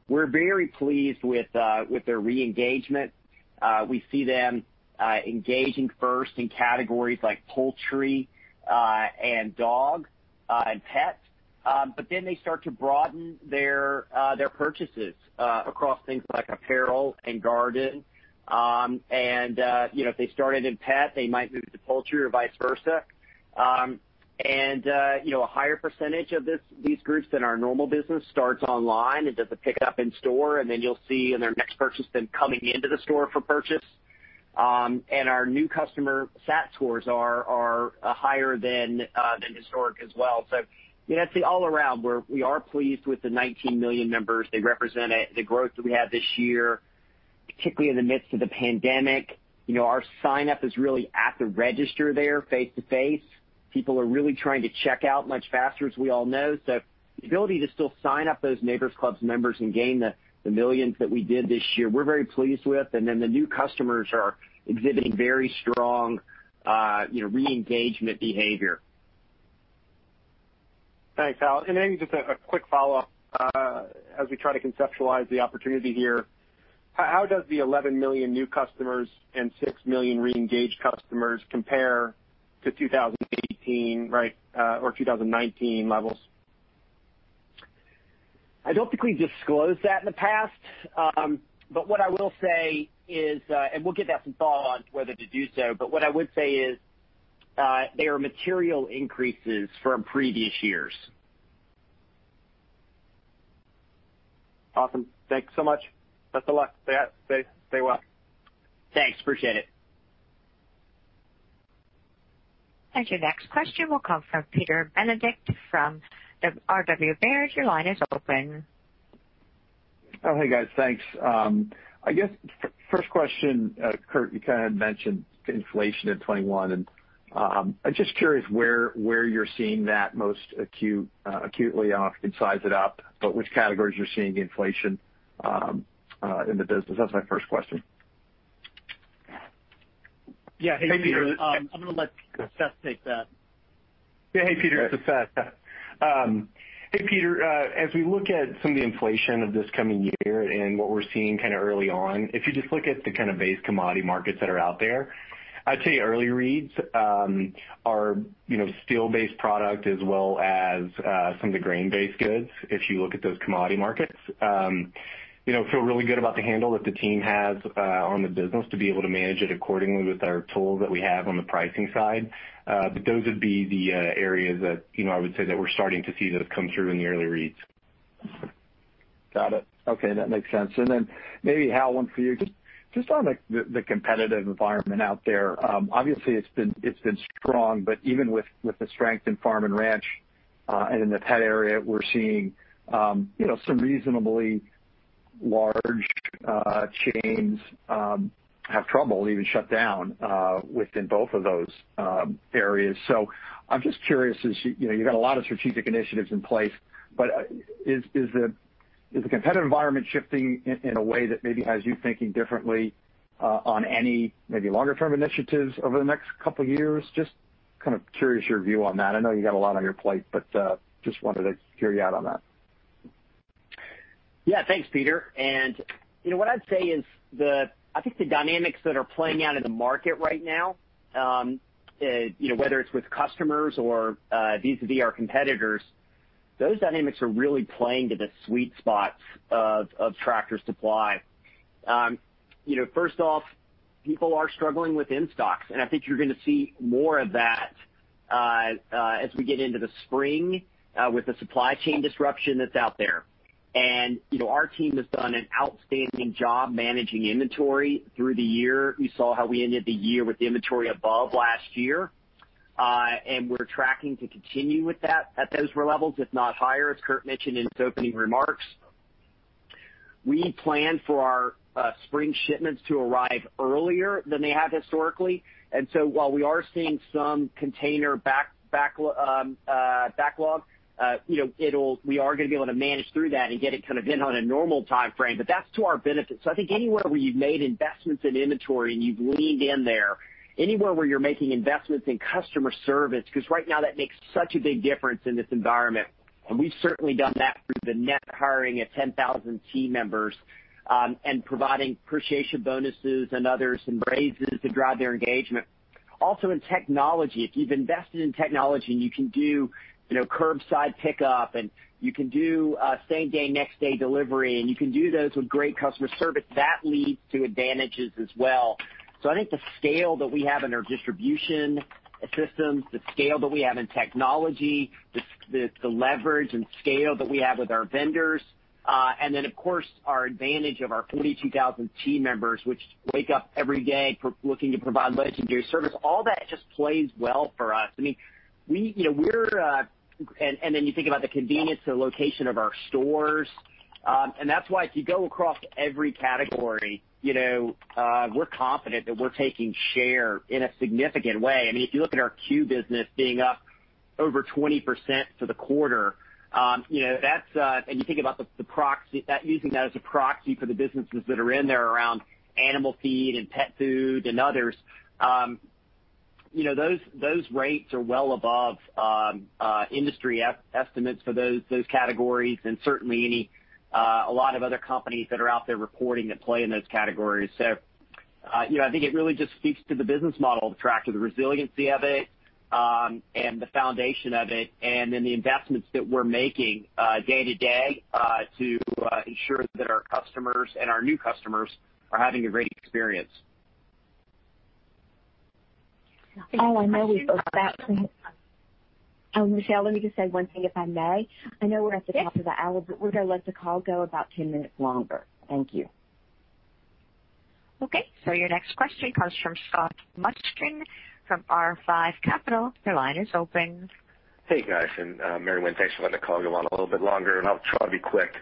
S3: We're very pleased with their reengagement. We see them engaging first in categories like poultry and dog and pet. They start to broaden their purchases across things like apparel and garden. If they started in pet, they might move to poultry or vice versa. A higher percentage of these groups than our normal business starts online and does the pick up in store, then you'll see in their next purchase them coming into the store for purchase. Our new customer SAT scores are higher than historic as well. I'd say all around, we are pleased with the 19 million members. They represent the growth that we had this year, particularly in the midst of the pandemic. Our sign up is really at the register there face-to-face. People are really trying to check out much faster, as we all know. The ability to still sign up those Neighbor's Club members and gain the millions that we did this year, we're very pleased with. Then the new customers are exhibiting very strong reengagement behavior.
S8: Thanks, Hal. Just a quick follow-up as we try to conceptualize the opportunity here. How does the 11 million new customers and six million reengaged customers compare to 2018 or 2019 levels?
S3: I don't think we disclosed that in the past. What I will say is, and we'll give that some thought on whether to do so, but what I would say is they are material increases from previous years.
S8: Awesome. Thanks so much. Best of luck. Stay well.
S3: Thanks. Appreciate it.
S1: Your next question will come from Peter Benedict from Robert W. Baird.
S9: Oh, hey, guys. Thanks. I guess first question, Kurt, you kind of mentioned inflation in 2021, and I'm just curious where you're seeing that most acutely, and size it up, but which categories you're seeing inflation in the business. That's my first question.
S4: Yeah. Hey, Peter. I'm going to let Seth take that.
S10: Yeah. Hey, Peter. This is Seth. Hey, Peter. As we look at some of the inflation of this coming year and what we're seeing kind of early on, if you just look at the kind of base commodity markets that are out there, I'd say early reads are steel-based product as well as some of the grain-based goods, if you look at those commodity markets. Feel really good about the handle that the team has on the business to be able to manage it accordingly with our tools that we have on the pricing side. Those would be the areas that I would say that we're starting to see that have come through in the early reads.
S9: Got it. Okay, that makes sense. Then maybe, Hal, one for you. Just on the competitive environment out there. Obviously, it's been strong. Even with the strength in farm and ranch, and in the pet area, we're seeing some reasonably large chains have trouble, even shut down within both of those areas. I'm just curious, as you've got a lot of strategic initiatives in place, but is the competitive environment shifting in a way that maybe has you thinking differently on any maybe longer-term initiatives over the next couple of years? Just kind of curious your view on that. I know you've got a lot on your plate, but just wanted to hear you out on that.
S3: Yeah. Thanks, Peter. What I'd say is I think the dynamics that are playing out in the market right now, whether it's with customers or vis-a-vis our competitors, those dynamics are really playing to the sweet spots of Tractor Supply. First off, people are struggling with in-stocks, and I think you're going to see more of that as we get into the spring with the supply chain disruption that's out there. Our team has done an outstanding job managing inventory through the year. You saw how we ended the year with inventory above last year. We're tracking to continue with that at those levels, if not higher, as Kurt mentioned in his opening remarks. We plan for our spring shipments to arrive earlier than they have historically. While we are seeing some container backlog, we are going to be able to manage through that and get it kind of in on a normal timeframe. That's to our benefit. I think anywhere where you've made investments in inventory and you've leaned in there, anywhere where you're making investments in customer service, because right now that makes such a big difference in this environment. We've certainly done that through the net hiring of 10,000 team members, and providing appreciation bonuses and others, and raises to drive their engagement. Also in technology, if you've invested in technology and you can do curbside pickup and you can do same-day, next-day delivery, and you can do those with great customer service, that leads to advantages as well. I think the scale that we have in our distribution systems, the scale that we have in technology, the leverage and scale that we have with our vendors. Of course, our advantage of our 42,000 team members, which wake up every day looking to provide legendary service. All that just plays well for us. You think about the convenience and location of our stores. That's why if you go across every category, we're confident that we're taking share in a significant way. If you look at our C.U.E. business being up over 20% for the quarter, and using that as a proxy for the businesses that are in there around animal feed and pet food and others. Those rates are well above industry estimates for those categories and certainly a lot of other companies that are out there reporting that play in those categories. I think it really just speaks to the business model of Tractor, the resiliency of it, and the foundation of it, and then the investments that we're making day to day to ensure that our customers and our new customers are having a great experience.
S2: Hal, I know we're both back. Michelle, let me just say one thing, if I may.
S1: Yes.
S2: I know we're at the top of the hour, but we're going to let the call go about 10 minutes longer. Thank you.
S1: Okay. Your next question comes from Scott Mushkin from R5 Capital. Your line is open.
S11: Hey, guys, and Mary Winn, thanks for letting the call go on a little bit longer, and I'll try to be quick.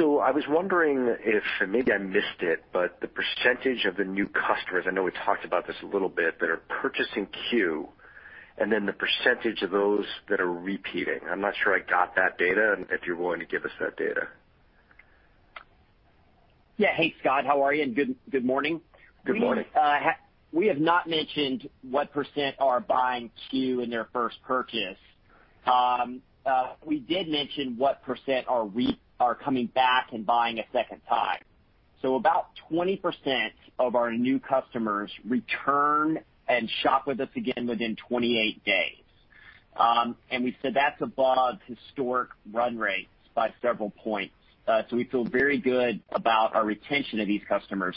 S11: I was wondering if, maybe I missed it, but the percentage of the new customers, I know we talked about this a little bit, that are purchasing C.U.E., and then the percentage of those that are repeating? I'm not sure I got that data and if you're willing to give us that data?
S3: Yeah. Hey, Scott. How are you? Good morning.
S11: Good morning.
S3: We have not mentioned what % are buying C.U.E. in their first purchase. We did mention what % are coming back and buying a second time. About 20% of our new customers return and shop with us again within 28 days. We said that's above historic run rates by several points. We feel very good about our retention of these customers.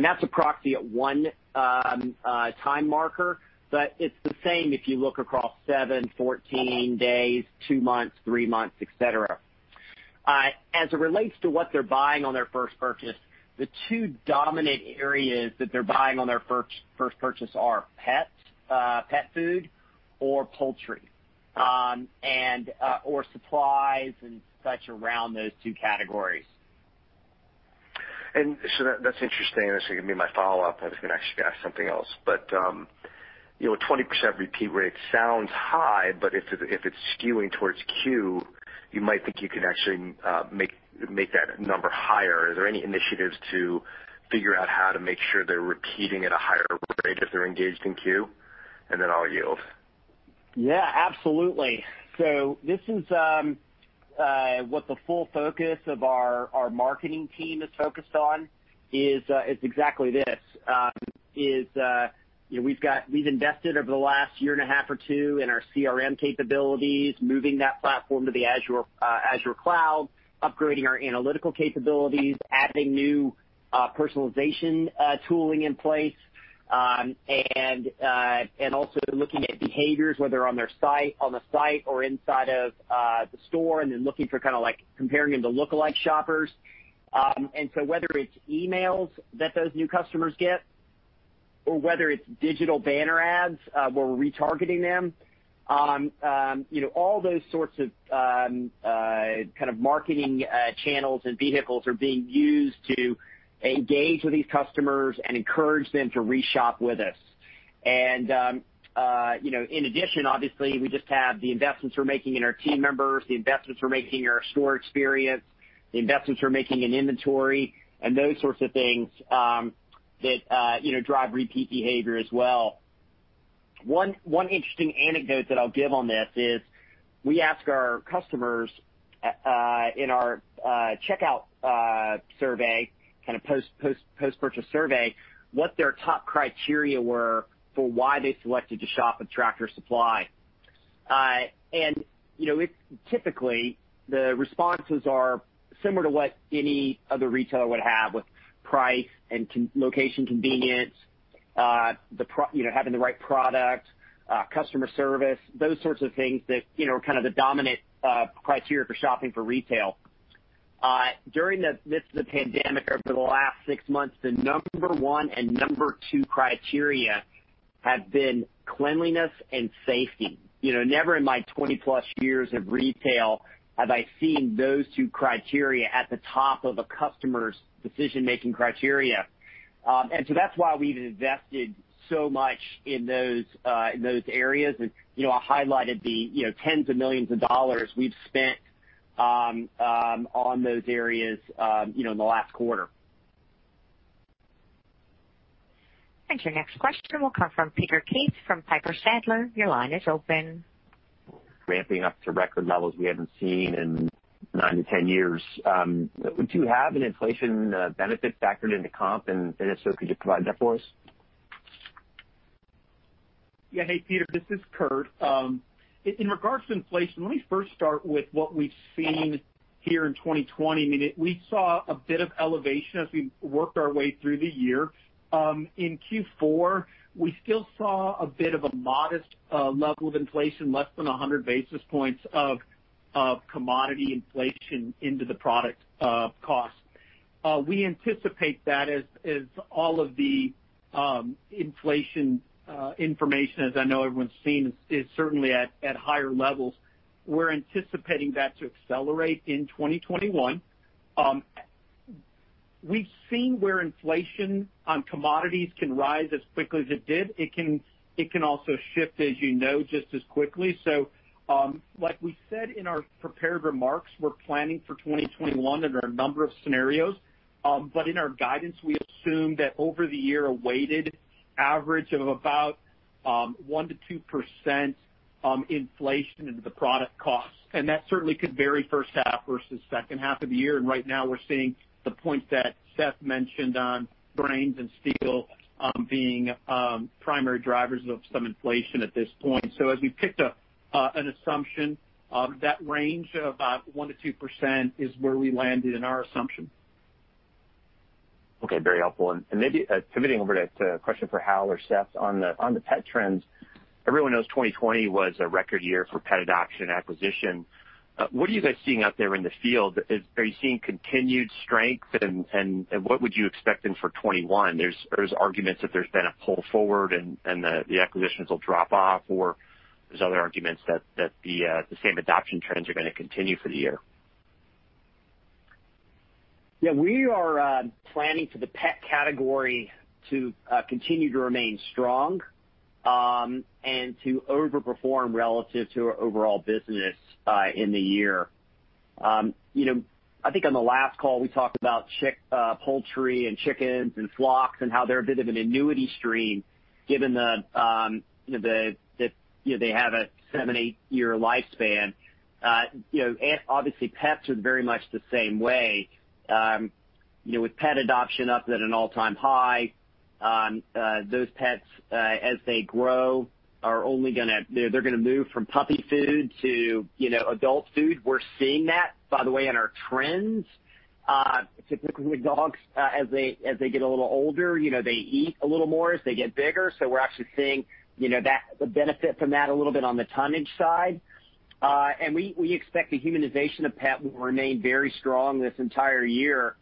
S3: That's a proxy at one time marker, but it's the same if you look across seven, 14 days, two months, three months, et cetera. As it relates to what they're buying on their first purchase, the two dominant areas that they're buying on their first purchase are pet food or poultry. Supplies and such around those two categories.
S11: That's interesting. That's going to be my follow-up. I was going to actually ask something else. A 20% repeat rate sounds high, but if it's skewing towards C.U.E., you might think you can actually make that number higher. Are there any initiatives to figure out how to make sure they're repeating at a higher rate if they're engaged in C.U.E.? Then I'll yield.
S3: Yeah, absolutely. This is what the full focus of our marketing team is focused on is exactly this. We've invested over the last year and a half or two in our CRM capabilities, moving that platform to the Azure cloud, upgrading our analytical capabilities, adding new personalization tooling in place. Also looking at behaviors, whether on the site or inside of the store, and then looking for kind of like comparing them to lookalike shoppers. Whether it's emails that those new customers get. Or whether it's digital banner ads where we're retargeting them. All those sorts of marketing channels and vehicles are being used to engage with these customers and encourage them to re-shop with us. In addition, obviously, we just have the investments we're making in our team members, the investments we're making in our store experience, the investments we're making in inventory, and those sorts of things that drive repeat behavior as well. One interesting anecdote that I'll give on this is we ask our customers in our checkout survey, kind of post-purchase survey, what their top criteria were for why they selected to shop at Tractor Supply. Typically, the responses are similar to what any other retailer would have with price and location convenience, having the right product, customer service, those sorts of things that are the dominant criteria for shopping for retail. During the midst of the pandemic over the last six months, the number one and number two criteria have been cleanliness and safety. Never in my 20-plus years of retail have I seen those two criteria at the top of a customer's decision-making criteria. That's why we've invested so much in those areas. I highlighted the tens of millions of dollars we've spent on those areas in the last quarter.
S1: Your next question will come from Peter Keith from Piper Sandler. Your line is open.
S12: Ramping up to record levels we haven't seen in 9-10 years. Do you have an inflation benefit factored into comp? If so, could you provide that for us?
S4: Yeah. Hey, Peter, this is Kurt. In regards to inflation, let me first start with what we've seen here in 2020. We saw a bit of elevation as we worked our way through the year. In Q4, we still saw a bit of a modest level of inflation, less than 100 basis points of commodity inflation into the product cost. We anticipate that as all of the inflation information, as I know everyone's seen, is certainly at higher levels. We're anticipating that to accelerate in 2021. We've seen where inflation on commodities can rise as quickly as it did. It can also shift, as you know, just as quickly. Like we said in our prepared remarks, we're planning for 2021 under a number of scenarios. In our guidance, we assume that over the year, a weighted average of about 1%-2% inflation into the product cost. That certainly could vary first half versus second half of the year. Right now, we're seeing the point that Seth mentioned on grains and steel being primary drivers of some inflation at this point. As we picked up an assumption of that range of about 1%-2% is where we landed in our assumption.
S12: Okay. Very helpful. Maybe pivoting over to a question for Hal or Seth on the pet trends. Everyone knows 2020 was a record year for pet adoption and acquisition. What are you guys seeing out there in the field? Are you seeing continued strength? What would you expect then for 2021? There's arguments that there's been a pull forward and the acquisitions will drop off, or there's other arguments that the same adoption trends are going to continue for the year.
S3: We are planning for the pet category to continue to remain strong, and to over-perform relative to our overall business in the year. I think on the last call, we talked about poultry and chickens and flocks and how they're a bit of an annuity stream given that they have a seven to eight year lifespan. Obviously, pets are very much the same way. With pet adoption up at an all-time high, those pets as they grow, they're going to move from puppy food to adult food. We're seeing that, by the way, in our trends. Typically with dogs, as they get a little older, they eat a little more as they get bigger. We're actually seeing the benefit from that a little bit on the tonnage side. We expect the humanization of pet will remain very strong this entire year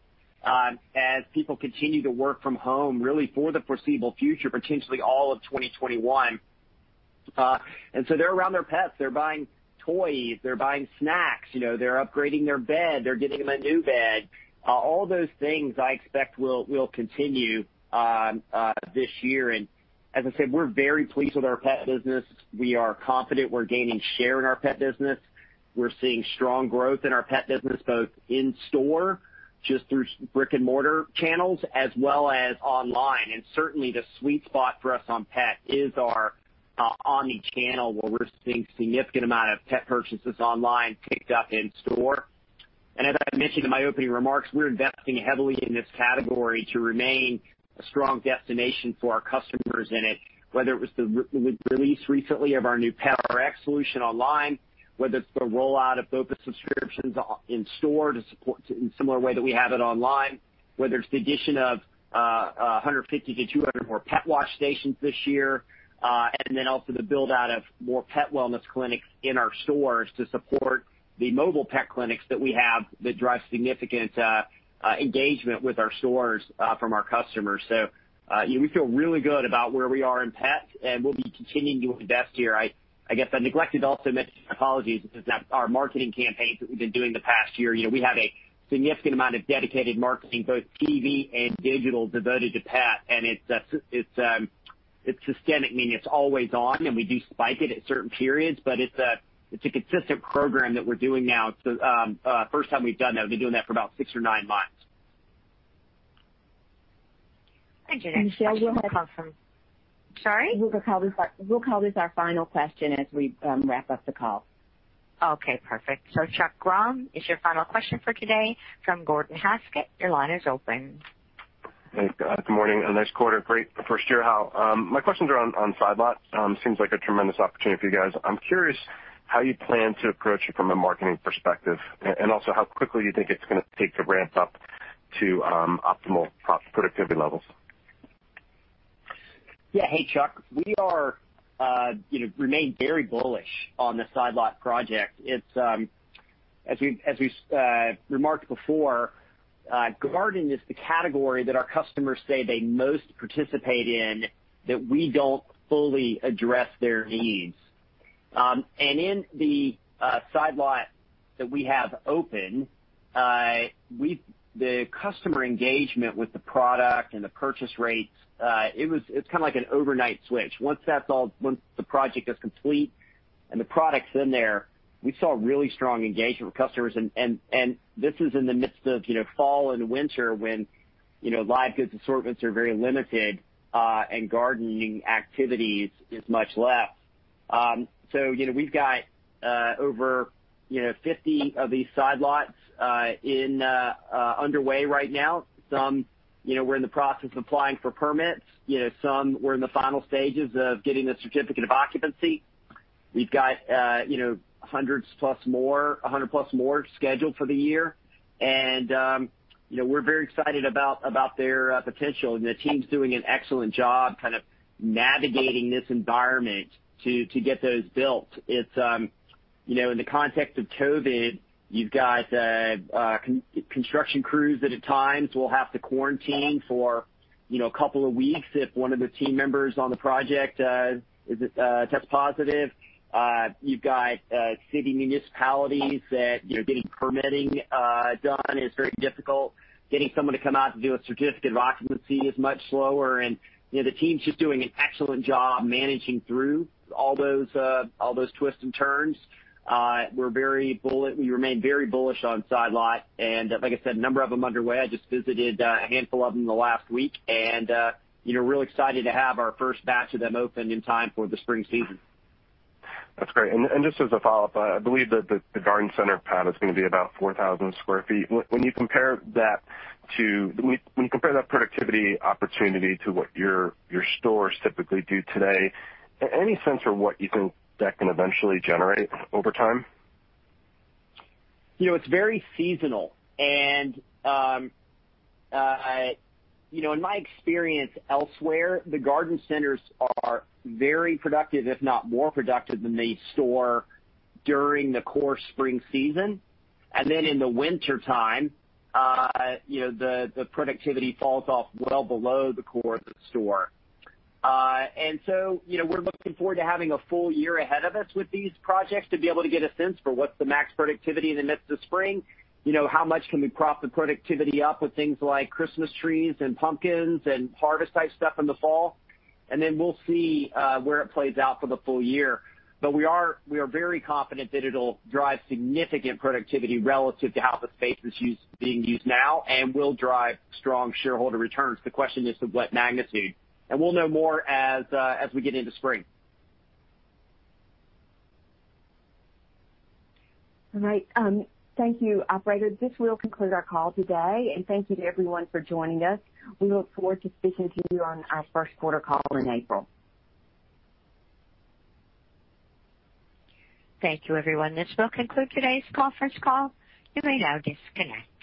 S3: as people continue to work from home really for the foreseeable future, potentially all of 2021. They're around their pets. They're buying toys. They're buying snacks. They're upgrading their bed. They're getting them a new bed. All those things I expect will continue this year. As I said, we're very pleased with our pet business. We are confident we're gaining share in our pet business. We're seeing strong growth in our pet business, both in store, just through brick and mortar channels, as well as online. Certainly, the sweet spot for us on pet is our omni-channel, where we're seeing a significant amount of pet purchases online picked up in store. As I mentioned in my opening remarks, we're investing heavily in this category to remain a strong destination for our customers in it, whether it was the release recently of our new PetRx solution online, whether it's the rollout of focus subscriptions in-store in a similar way that we have it online, whether it's the addition of 150 to 200 more pet wash stations this year, also the build-out of more pet wellness clinics in our stores to support the mobile pet clinics that we have that drive significant engagement with our stores from our customers. We feel really good about where we are in pet and we'll be continuing to invest here. I guess I neglected to also mention, apologies, our marketing campaigns that we've been doing the past year. We have a significant amount of dedicated marketing, both TV and digital, devoted to pet, and it's systemic, meaning it's always on, and we do spike it at certain periods. It's a consistent program that we're doing now. It's the first time we've done that. We've been doing that for about six or nine months.
S2: Michelle, we'll call this our final question as we wrap up the call.
S1: Okay, perfect. Chuck Grom is your final question for today from Gordon Haskett. Your line is open.
S13: Thanks. Good morning. A nice quarter. Great first year, Hal. My questions are on Side Lot. Seems like a tremendous opportunity for you guys. I'm curious how you plan to approach it from a marketing perspective, and also how quickly you think it's going to take to ramp up to optimal productivity levels.
S3: Yeah. Hey, Chuck. We remain very bullish on the Side Lot project. As we've remarked before, garden is the category that our customers say they most participate in that we don't fully address their needs. In the Side Lot that we have open, the customer engagement with the product and the purchase rates, it's like an overnight switch. Once the project is complete and the product's in there, we saw really strong engagement with customers. This is in the midst of fall and winter when live goods assortments are very limited and gardening activities is much less. We've got over 50 of these Side Lots underway right now. Some we're in the process of applying for permits. Some we're in the final stages of getting the certificate of occupancy. We've got 100 plus more scheduled for the year. We're very excited about their potential, and the team's doing an excellent job navigating this environment to get those built. In the context of COVID, you've got construction crews that at times will have to quarantine for a couple of weeks if one of the team members on the project tests positive. You've got city municipalities that getting permitting done is very difficult. Getting someone to come out to do a certificate of occupancy is much slower. The team's just doing an excellent job managing through all those twists and turns. We remain very bullish on Side Lot. Like I said, a number of them underway. I just visited a handful of them in the last week and real excited to have our first batch of them open in time for the spring season.
S13: That's great. Just as a follow-up, I believe that the garden center pad is going to be about 4,000 sq ft. When you compare that productivity opportunity to what your stores typically do today, any sense for what you think that can eventually generate over time?
S3: It's very seasonal. In my experience elsewhere, the garden centers are very productive, if not more productive than the store during the core spring season. In the wintertime, the productivity falls off well below the core of the store. We're looking forward to having a full-year ahead of us with these projects to be able to get a sense for what's the max productivity in the midst of spring, how much can we prop the productivity up with things like Christmas trees and pumpkins and harvest type stuff in the fall. We'll see where it plays out for the full-year. We are very confident that it'll drive significant productivity relative to how the space is being used now and will drive strong shareholder returns. The question is to what magnitude, and we'll know more as we get into spring.
S2: All right. Thank you, operator. This will conclude our call today, and thank you to everyone for joining us. We look forward to speaking to you on our first quarter call in April.
S1: Thank you, everyone. This will conclude today's conference call. You may now disconnect.